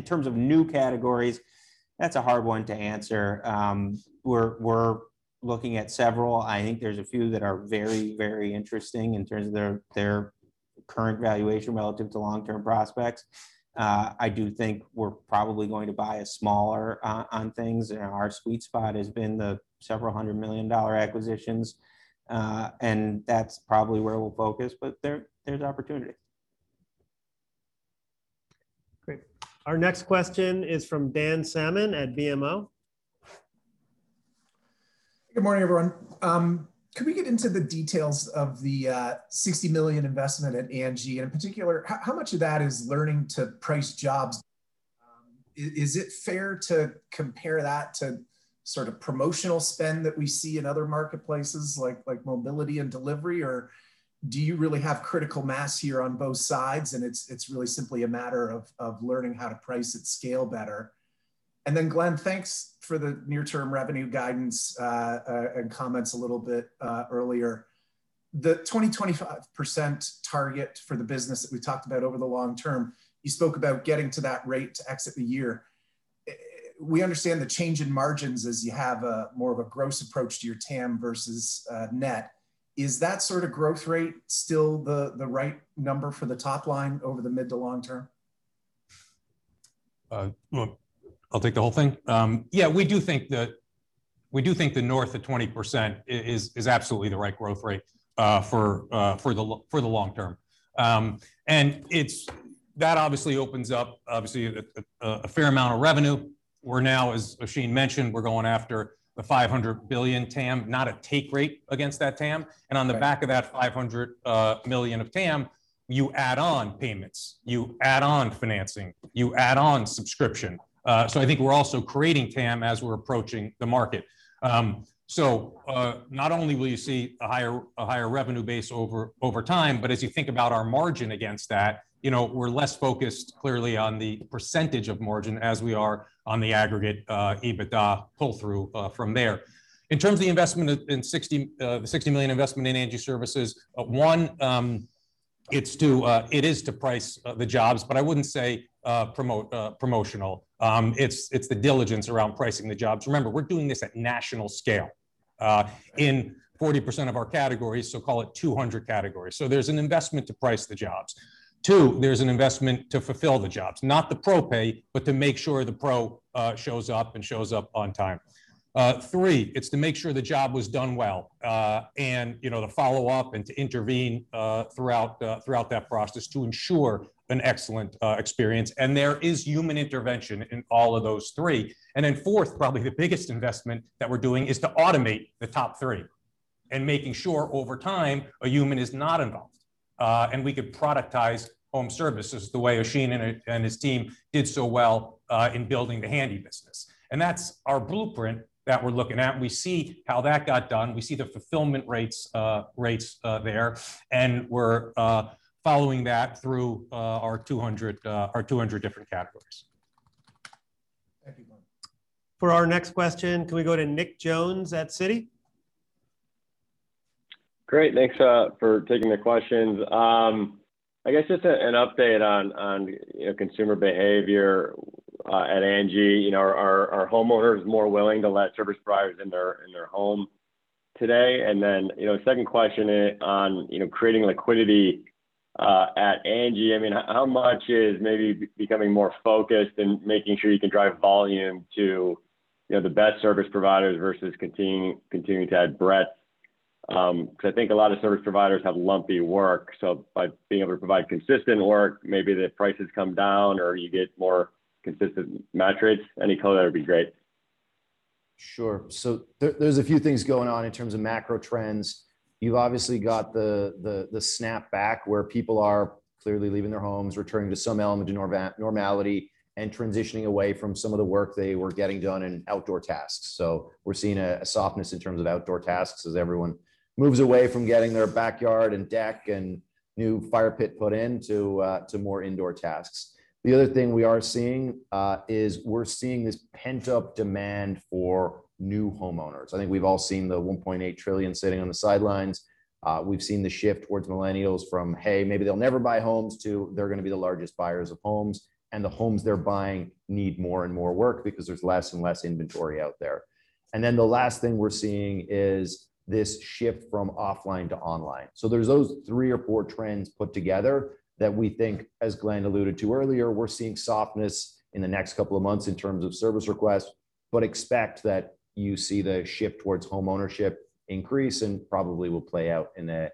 terms of new categories, that's a hard one to answer. We're looking at several. I think there's a few that are very interesting in terms of their current valuation relative to long-term prospects. I do think we're probably going to buy a smaller on things. Our sweet spot has been the several hundred million dollar acquisitions. That's probably where we'll focus, but there's opportunities. Great. Our next question is from Dan Salmon at BMO. Good morning, everyone. Could we get into the details of the 60 million investment at Angi? In particular, how much of that is learning to price jobs? Is it fair to compare that to sort of promotional spend that we see in other marketplaces like mobility and delivery? Do you really have critical mass here on both sides, and it's really simply a matter of learning how to price at scale better? Glenn, thanks for the near-term revenue guidance and comments a little bit earlier. The 20%-25% target for the business that we talked about over the long term, you spoke about getting to that rate to exit the year. We understand the change in margins as you have more of a gross approach to your TAM versus net. Is that sort of growth rate still the right number for the top line over the mid to long term? Look, I'll take the whole thing. Yeah, we do think the north of 20% is absolutely the right growth rate for the long term. That obviously opens up a fair amount of revenue. We're now, as Oisin mentioned, we're going after the $500 billion TAM, not a take rate against that TAM. On the back of that $500 million of TAM, you add on payments, you add on financing, you add on subscription. I think we're also creating TAM as we're approaching the market. Not only will you see a higher revenue base over time, but as you think about our margin against that, we're less focused clearly on the percentage of margin as we are on the aggregate EBITDA pull through from there. In terms of the $60 million investment in Angi Services, one, it is to price the jobs, but I wouldn't say promotional. It's the diligence around pricing the jobs. Remember, we're doing this at national scale in 40% of our categories. Call it 200 categories. There's an investment to price the jobs. Two, there's an investment to fulfill the jobs, not the pro pay, but to make sure the pro shows up and shows up on time. Three, it's to make sure the job was done well, and to follow up and to intervene throughout that process to ensure an excellent experience. There is human intervention in all of those three. Then fourth, probably the biggest investment that we're doing is to automate the top three and making sure over time a human is not involved. We could productize home services the way Oisin and his team did so well in building the Handy business. That's our blueprint that we're looking at, and we see how that got done. We see the fulfillment rates there, and we're following that through our 200 different categories. For our next question, can we go to Nick Jones at Citi. Great. Thanks for taking the questions. I guess just an update on consumer behavior at Angi. Are homeowners more willing to let service providers in their home today? Then, second question on creating liquidity at Angi. How much is maybe becoming more focused and making sure you can drive volume to the best service providers versus continuing to add breadth? Because I think a lot of service providers have lumpy work, so by being able to provide consistent work, maybe the prices come down, or you get more consistent metrics. Any color, that would be great. Sure. There's a few things going on in terms of macro trends. You've obviously got the snapback, where people are clearly leaving their homes, returning to some element of normality, and transitioning away from some of the work they were getting done in outdoor tasks. We're seeing a softness in terms of outdoor tasks as everyone moves away from getting their backyard and deck and new fire pit put in, to more indoor tasks. The other thing we are seeing is we're seeing this pent-up demand for new homeowners. I think we've all seen the $1.8 trillion sitting on the sidelines. We've seen the shift towards millennials from, "Hey, maybe they'll never buy homes" to "They're going to be the largest buyers of homes." The homes they're buying need more and more work because there's less and less inventory out there. Then the last thing we're seeing is this shift from offline to online. There's those three or four trends put together that we think, as Glenn alluded to earlier, we're seeing softness in the next couple of months in terms of Service Requests. But expect that you see the shift towards home ownership increase and probably will play out in a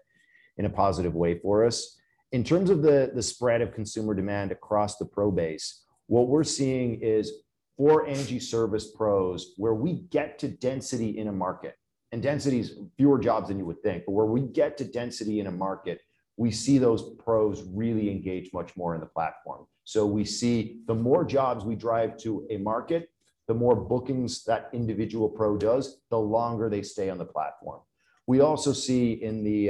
positive way for us. In terms of the spread of consumer demand across the pro base, what we're seeing is for Angi Service Pros, where we get to density in a market, and density is fewer jobs than you would think, but where we get to density in a market, we see those pros really engage much more in the platform. We see the more jobs we drive to a market, the more bookings that individual pro does, the longer they stay on the platform. We also see in the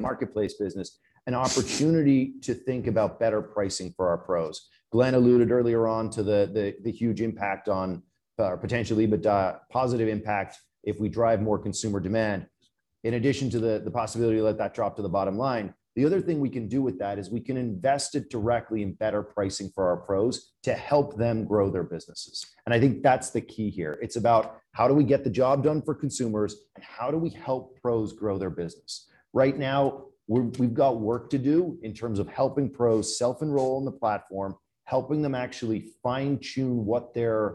marketplace business an opportunity to think about better pricing for our pros. Glenn alluded earlier on to the huge impact on, or potentially positive impact if we drive more consumer demand. In addition to the possibility to let that drop to the bottom line, the other thing we can do with that is we can invest it directly in better pricing for our pros to help them grow their businesses. I think that's the key here. It's about how do we get the job done for consumers, and how do we help pros grow their business? Right now, we've got work to do in terms of helping pros self-enroll in the platform, helping them actually fine-tune what their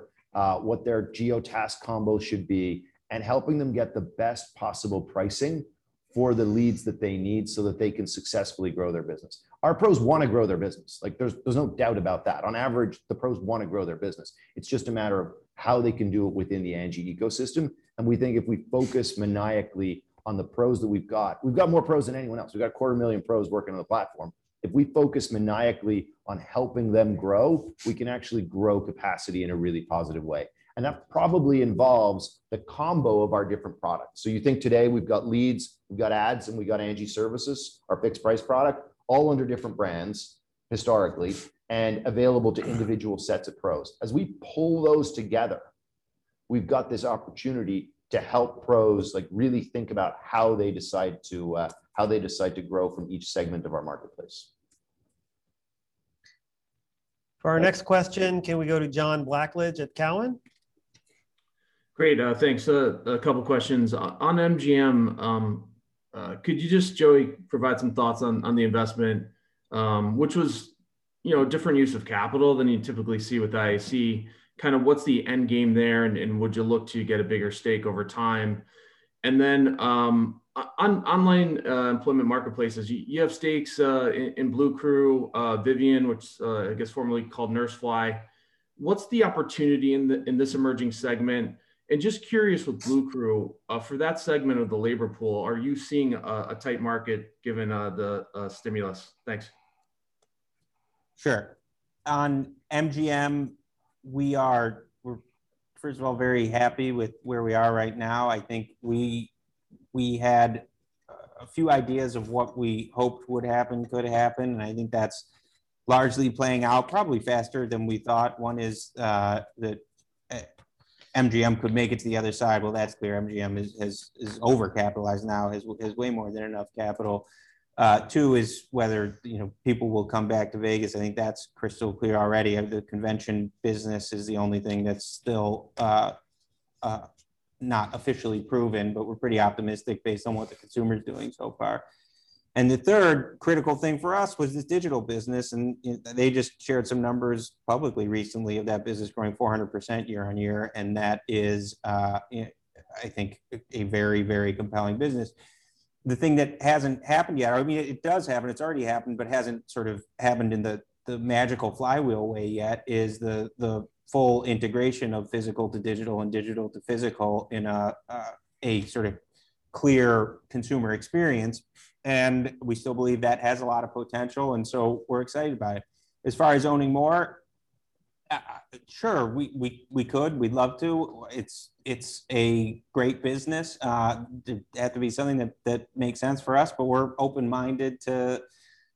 geo task combo should be, and helping them get the best possible pricing for the leads that they need so that they can successfully grow their business. Our pros want to grow their business. There's no doubt about that. On average, the pros want to grow their business. It's just a matter of how they can do it within the Angi ecosystem. We think if we focus maniacally on the pros that we've got, we've got more pros than anyone else. We've got 250,000 pros working on the platform. If we focus maniacally on helping them grow, we can actually grow capacity in a really positive way. That probably involves the combo of our different products. You think today, we've got Leads, we've got Ads, and we've got Angi Services, our fixed price product, all under different brands historically, and available to individual sets of pros. As we pull those together, we've got this opportunity to help pros really think about how they decide to grow from each segment of our marketplace. For our next question, can we go to John Blackledge at Cowen? Great. Thanks. A couple questions. On MGM, could you just, Joey, provide some thoughts on the investment, which was a different use of capital than you typically see with IAC. What's the end game there, and would you look to get a bigger stake over time? Online employment marketplaces, you have stakes in Bluecrew, Vivian, which I guess formerly called NurseFly. What's the opportunity in this emerging segment? Just curious with Bluecrew, for that segment of the labor pool, are you seeing a tight market given the stimulus? Thanks. Sure. On MGM, we're first of all very happy with where we are right now. I think we had a few ideas of what we hoped would happen, could happen, and I think that's largely playing out probably faster than we thought. One is that MGM could make it to the other side. Well, that's clear. MGM is over-capitalized now. Has way more than enough capital. Two is whether people will come back to Vegas. I think that's crystal clear already. The convention business is the only thing that's still not officially proven, but we're pretty optimistic based on what the consumer's doing so far. The third critical thing for us was this digital business, and they just shared some numbers publicly recently of that business growing 400% year-on-year, and that is, I think, a very compelling business. The thing that hasn't happened yet, or it does happen, it's already happened, but hasn't sort of happened in the magical flywheel way yet, is the full integration of physical to digital and digital to physical in a sort of clear consumer experience. We still believe that has a lot of potential, and so we're excited by it. As far as owning more. Sure. We could. We'd love to. It's a great business. It'd have to be something that makes sense for us, but we're open-minded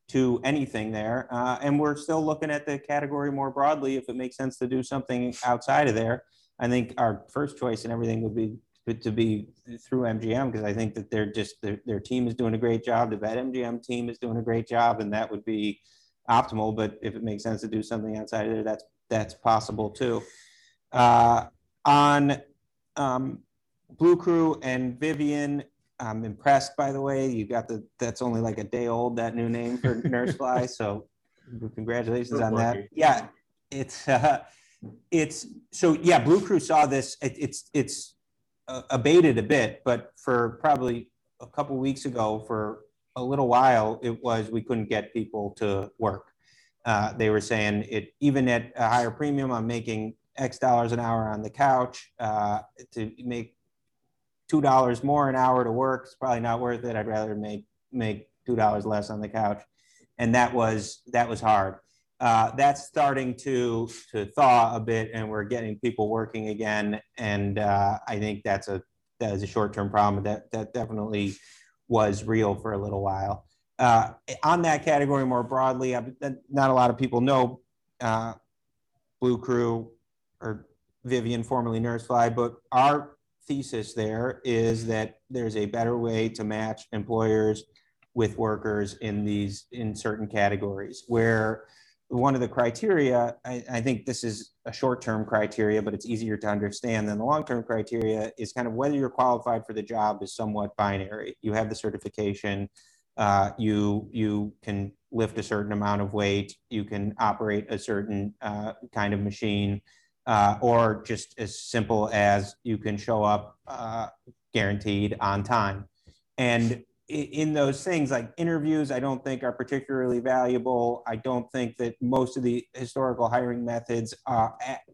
to anything there. We're still looking at the category more broadly, if it makes sense to do something outside of there. I think our first choice in everything would be to be through MGM, because I think that their team is doing a great job, the BetMGM team is doing a great job, and that would be optimal, but if it makes sense to do something outside of there, that's possible, too. On Bluecrew and Vivian, I'm impressed by the way. That's only like a day old, that new name for NurseFly, so congratulations on that. Good work. Yeah. Yeah, Bluecrew saw this. It's abated a bit, but for probably a couple weeks ago, for a little while, it was we couldn't get people to work. They were saying, "Even at a higher premium, I'm making X dollar an hour on the couch. To make $2 more an hour to work is probably not worth it. I'd rather make $2 less on the couch." That was hard. That's starting to thaw a bit, and we're getting people working again, and I think that is a short-term problem, but that definitely was real for a little while. On that category more broadly, not a lot of people know Bluecrew or Vivian, formerly NurseFly, but our thesis there is that there's a better way to match employers with workers in certain categories, where one of the criteria, I think this is a short-term criteria, but it's easier to understand than the long-term criteria, is kind of whether you're qualified for the job is somewhat binary. You have the certification, you can lift a certain amount of weight, you can operate a certain kind of machine, or just as simple as you can show up guaranteed on time. In those things, like interviews I don't think are particularly valuable. I don't think that most of the historical hiring methods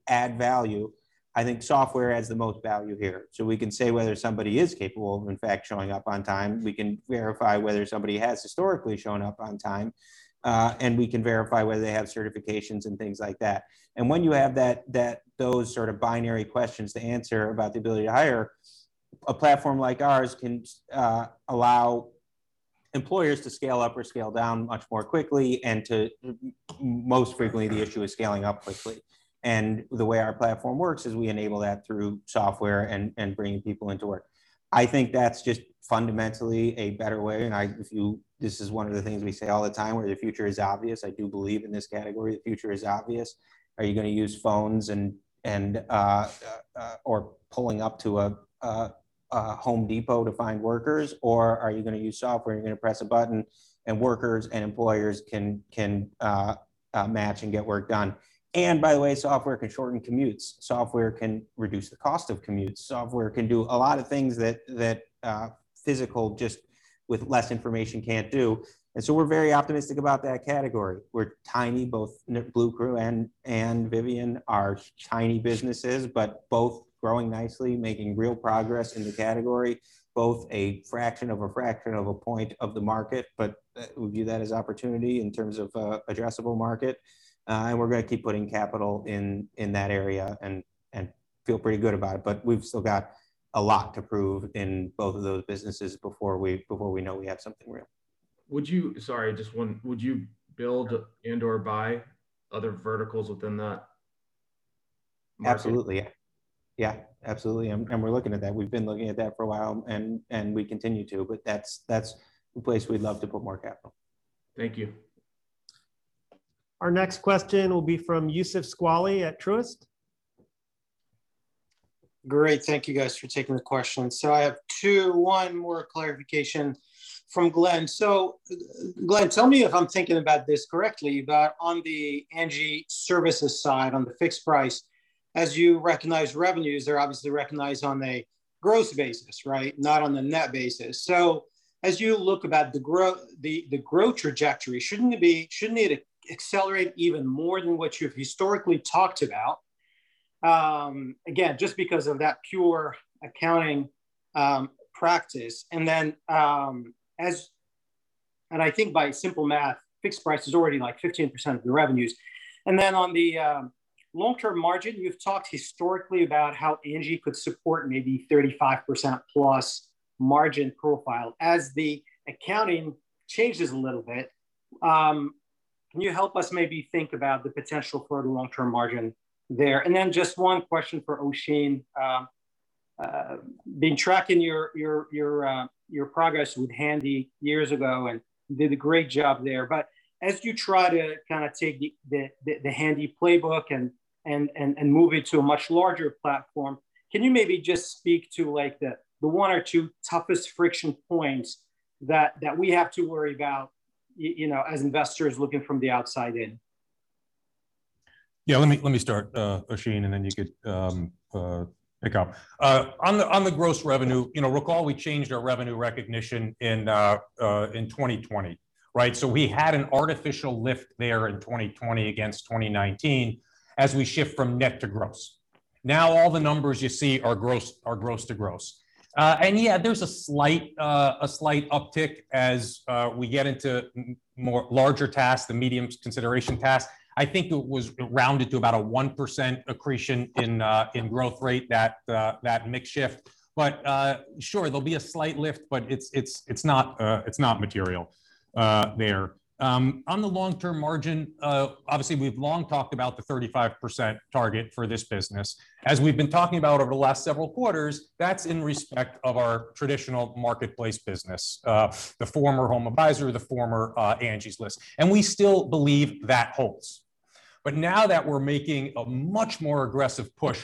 add value. I think software adds the most value here. We can say whether somebody is capable of, in fact, showing up on time, we can verify whether somebody has historically shown up on time, and we can verify whether they have certifications and things like that. When you have those sort of binary questions to answer about the ability to hire, a platform like ours can allow employers to scale up or scale down much more quickly. Most frequently, the issue is scaling up quickly. The way our platform works is we enable that through software and bringing people into work. I think that's just fundamentally a better way, and this is one of the things we say all the time, where the future is obvious. I do believe in this category, the future is obvious. Are you going to use phones or pulling up to a Home Depot to find workers, or are you going to use software and you're going to press a button and workers and employers can match and get work done? By the way, software can shorten commutes. Software can reduce the cost of commutes. Software can do a lot of things that physical, just with less information, can't do. We're very optimistic about that category. Both Bluecrew and Vivian are tiny businesses, but both growing nicely, making real progress in the category, both a fraction of a fraction of a point of the market, but we view that as opportunity in terms of addressable market. We're going to keep putting capital in that area and feel pretty good about it. We've still got a lot to prove in both of those businesses before we know we have something real. Sorry, just one. Would you build and/or buy other verticals within that market? Absolutely. Yeah, absolutely. We're looking at that. We've been looking at that for a while, and we continue to. That's a place we'd love to put more capital. Thank you. Our next question will be from Youssef Squali at Truist. Great. Thank you guys for taking the question. I have two, one more clarification from Glenn. Glenn, tell me if I'm thinking about this correctly, but on the Angi Services side, on the fixed price, as you recognize revenues, they're obviously recognized on a gross basis, right? Not on the net basis. As you look about the growth trajectory, shouldn't it accelerate even more than what you've historically talked about? Again, just because of that pure accounting practice. I think by simple math, fixed price is already like 15% of your revenues. On the long-term margin, you've talked historically about how Angi could support maybe 35%+ margin profile. As the accounting changes a little bit, can you help us maybe think about the potential for the long-term margin there? Just one question for Oisin Been tracking your progress with Handy years ago, and you did a great job there. As you try to take the Handy playbook and move it to a much larger platform, can you maybe just speak to the one or two toughest friction points that we have to worry about as investors looking from the outside in? Yeah, let me start, Oisin, and then you could pick up. On the gross revenue, recall we changed our revenue recognition in 2020, right? We had an artificial lift there in 2020 against 2019 as we shift from net to gross. All the numbers you see are gross to gross. Yeah, there's a slight uptick as we get into more larger tasks, the medium consideration tasks. I think it was rounded to about a 1% accretion in growth rate, that mix shift. Sure, there'll be a slight lift, but it's not material there. On the long-term margin, obviously we've long talked about the 35% target for this business. As we've been talking about over the last several quarters, that's in respect of our traditional marketplace business, the former HomeAdvisor, the former Angie's List, and we still believe that holds. Now that we're making a much more aggressive push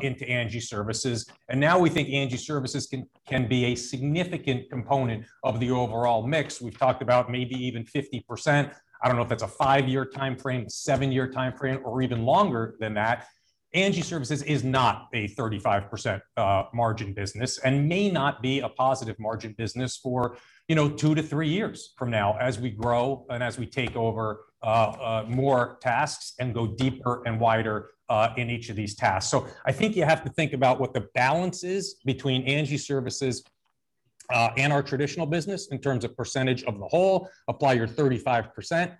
into Angi Services, and now we think Angi Services can be a significant component of the overall mix. We've talked about maybe even 50%. I don't know if that's a five-year timeframe, seven-year timeframe, or even longer than that. Angi Services is not a 35% margin business and may not be a positive margin business for two to three years from now as we grow and as we take over more tasks and go deeper and wider in each of these tasks. I think you have to think about what the balance is between Angi Services and our traditional business in terms of percentage of the whole. Apply your 35%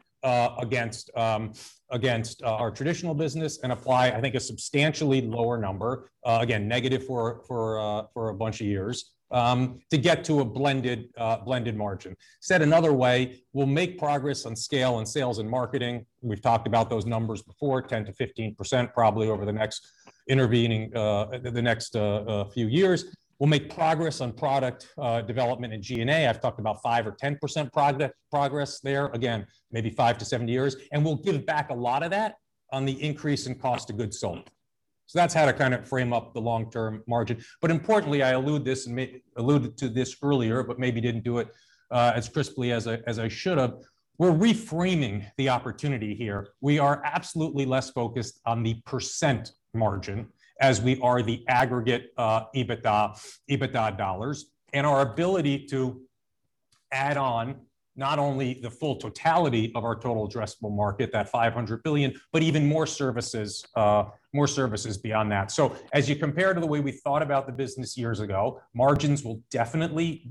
against our traditional business and apply, I think, a substantially lower number, again, negative for a bunch of years, to get to a blended margin. Said another way, we'll make progress on scale and sales and marketing. We've talked about those numbers before, 10% to 15%, probably over the next few years. We'll make progress on product development and G&A. I've talked about 5% or 10% progress there, again, maybe five to seven years. We'll give back a lot of that on the increase in cost of goods sold. That's how to kind of frame up the long-term margin. Importantly, I alluded to this earlier, but maybe didn't do it as crisply as I should have. We're reframing the opportunity here. We are absolutely less focused on the percent margin as we are the aggregate EBITDA dollars and our ability to add on not only the full totality of our total addressable market, that $500 billion, but even more services beyond that. As you compare to the way we thought about the business years ago, percentage margins will definitely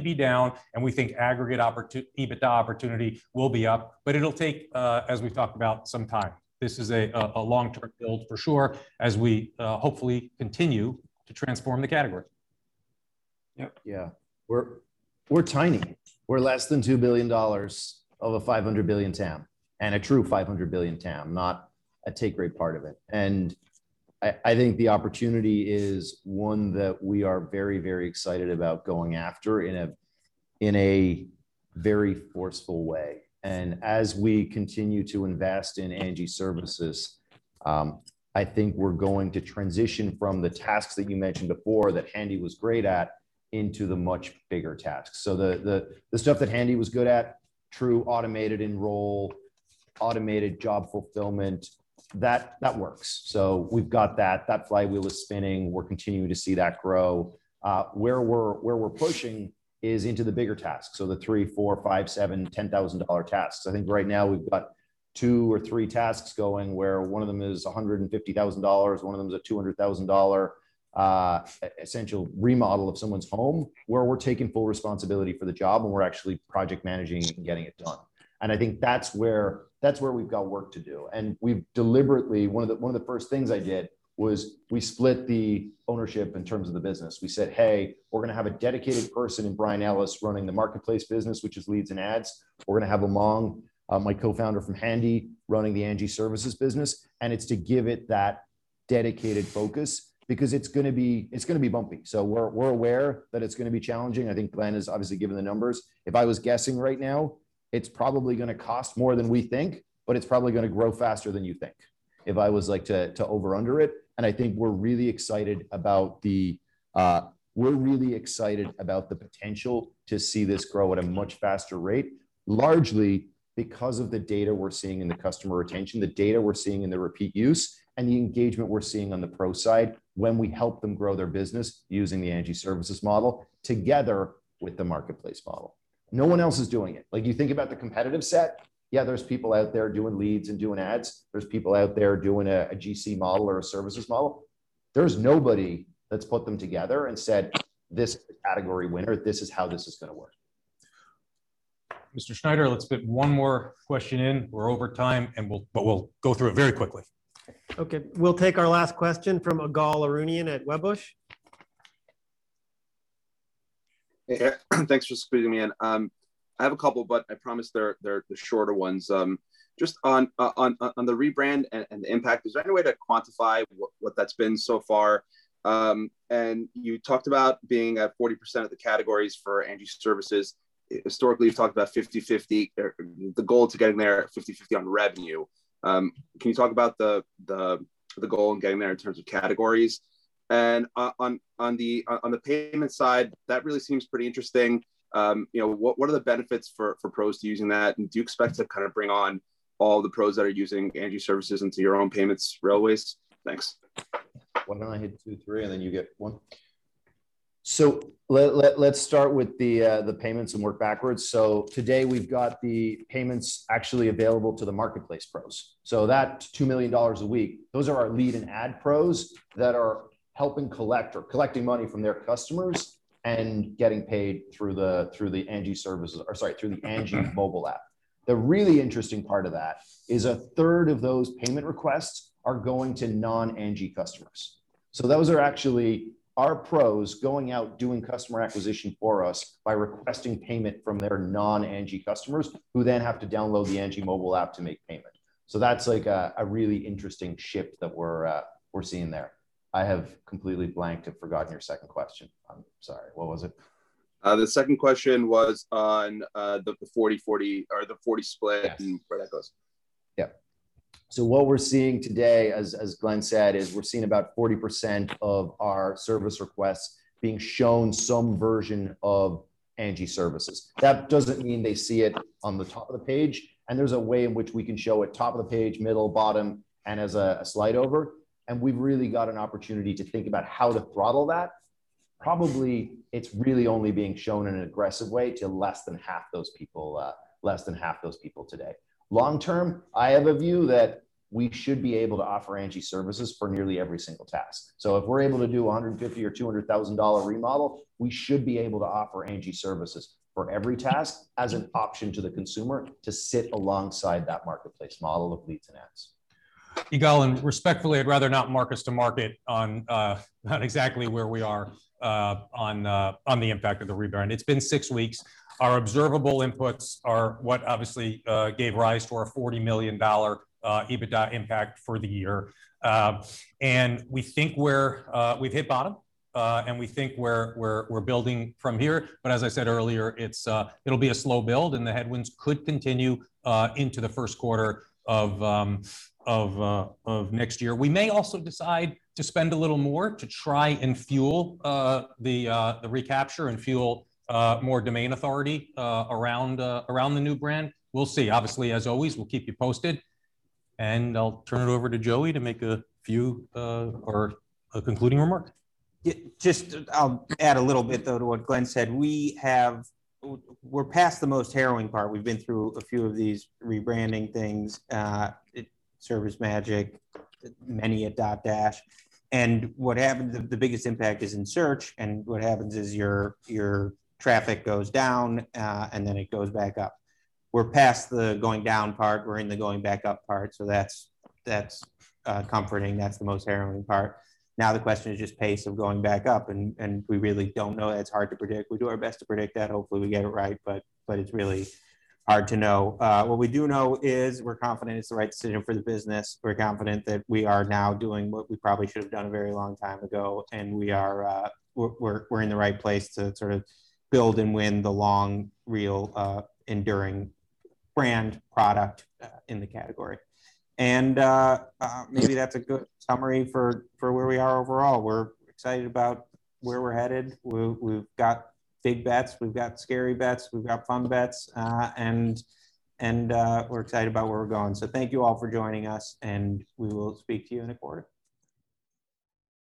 be down, and we think aggregate EBITDA opportunity will be up. It'll take, as we've talked about, some time. This is a long-term build for sure as we hopefully continue to transform the category. Yeah. We're tiny. We're less than $2 billion of a 500 billion TAM. A true 500 billion TAM, not a take rate part of it. I think the opportunity is one that we are very excited about going after in a very forceful way. As we continue to invest in Angi Services, I think we're going to transition from the tasks that you mentioned before that Handy was great at into the much bigger tasks. The stuff that Handy was good at, true automated enroll, automated job fulfillment, that works. We've got that. That flywheel is spinning. We're continuing to see that grow. Where we're pushing is into the bigger tasks, the 3, 4, 5, 7, $10,000 tasks. I think right now we've got two or three tasks going where one of them is $150,000, one of them is a $200,000 essential remodel of someone's home, where we're taking full responsibility for the job, we're actually project managing and getting it done. I think that's where we've got work to do. We've deliberately one of the first things I did was we split the ownership in terms of the business. We said, "Hey, we're going to have a dedicated person in Bryan Ellis running the marketplace business, which is leads and ads. We're going to have Aman, my co-founder from Handy, running the Angi Services business." It's to give it that dedicated focus because it's going to be bumpy. We're aware that it's going to be challenging. I think Glenn has obviously given the numbers. If I was guessing right now, it's probably going to cost more than we think, but it's probably going to grow faster than you think, if I was like to over under it. I think we're really excited about the potential to see this grow at a much faster rate, largely because of the data we're seeing in the customer retention, the data we're seeing in the repeat use, and the engagement we're seeing on the pro side when we help them grow their business using the Angi Services model together with the marketplace model. No one else is doing it. Like you think about the competitive set, yeah, there's people out there doing leads and doing ads. There's people out there doing a GC model or a services model. There's nobody that's put them together and said, "This is a category winner. This is how this is going to work. Mark Schneider, let's fit one more question in. We're over time and we'll go through it very quickly. Okay. We'll take our last question from Ygal Arounian at Wedbush. Hey. Thanks for squeezing me in. I have a couple, but I promise they're the shorter ones. Just on the rebrand and the impact, is there any way to quantify what that's been so far? And you talked about being at 40% of the categories for Angi Services. Historically, you've talked about 50/50, or the goal to getting there at 50/50 on revenue. Can you talk about the goal in getting there in terms of categories? And on the payment side, that really seems pretty interesting. What are the benefits for pros to using that, and do you expect to kind of bring on all the pros that are using Angi Services into your own payments railways? Thanks. Why don't I hit two, three, and then you get one? Let's start with the payments and work backwards. Today we've got the payments actually available to the marketplace pros. That's $2 million a week. Those are our lead and ad pros that are helping collect or collecting money from their customers and getting paid through the Angi mobile app. The really interesting part of that is a third of those payment requests are going to non-Angi customers. Those are actually our pros going out, doing customer acquisition for us by requesting payment from their non-Angi customers, who then have to download the Angi mobile app to make payment. That's a really interesting shift that we're seeing there. I have completely blanked and forgotten your second question. I'm sorry. What was it? The second question was on the 40 split and where that goes. Yeah. What we're seeing today, as Glenn said, is we're seeing about 40% of our service requests being shown some version of Angi Services. That doesn't mean they see it on the top of the page, and there's a way in which we can show it top of the page, middle, bottom, and as a slide over, and we've really got an opportunity to think about how to throttle that. Probably, it's really only being shown in an aggressive way to less than half those people today. Long term, I have a view that we should be able to offer Angi Services for nearly every single task. If we're able to do $150,000 or $200,000 remodel, we should be able to offer Angi Services for every task as an option to the consumer to sit alongside that marketplace model of leads and ads. Ygal, respectfully, I'd rather not mark us to market on exactly where we are on the impact of the rebrand. It's been six weeks. Our observable inputs are what obviously gave rise to our $40 million EBITDA impact for the year. We think we've hit bottom, we think we're building from here, as I said earlier, it'll be a slow build, the headwinds could continue into the first quarter of next year. We may also decide to spend a little more to try and fuel the recapture and fuel more domain authority around the new brand. We'll see. Obviously, as always, we'll keep you posted, I'll turn it over to Joey to make a few concluding remarks. Yeah. Just I'll add a little bit, though, to what Glenn said. We're past the most harrowing part. We've been through a few of these rebranding things, ServiceMagic, many at Dotdash. The biggest impact is in search, and what happens is your traffic goes down, and then it goes back up. We're past the going down part. We're in the going back up part. That's comforting. That's the most harrowing part. Now the question is just pace of going back up, and we really don't know. That's hard to predict. We do our best to predict that. Hopefully, we get it right, but it's really hard to know. What we do know is we're confident it's the right decision for the business. We're confident that we are now doing what we probably should've done a very long time ago, and we're in the right place to sort of build and win the long, real, enduring brand product in the category. Maybe that's a good summary for where we are overall. We're excited about where we're headed. We've got big bets. We've got scary bets. We've got fun bets. We're excited about where we're going. Thank you all for joining us, and we will speak to you in a quarter.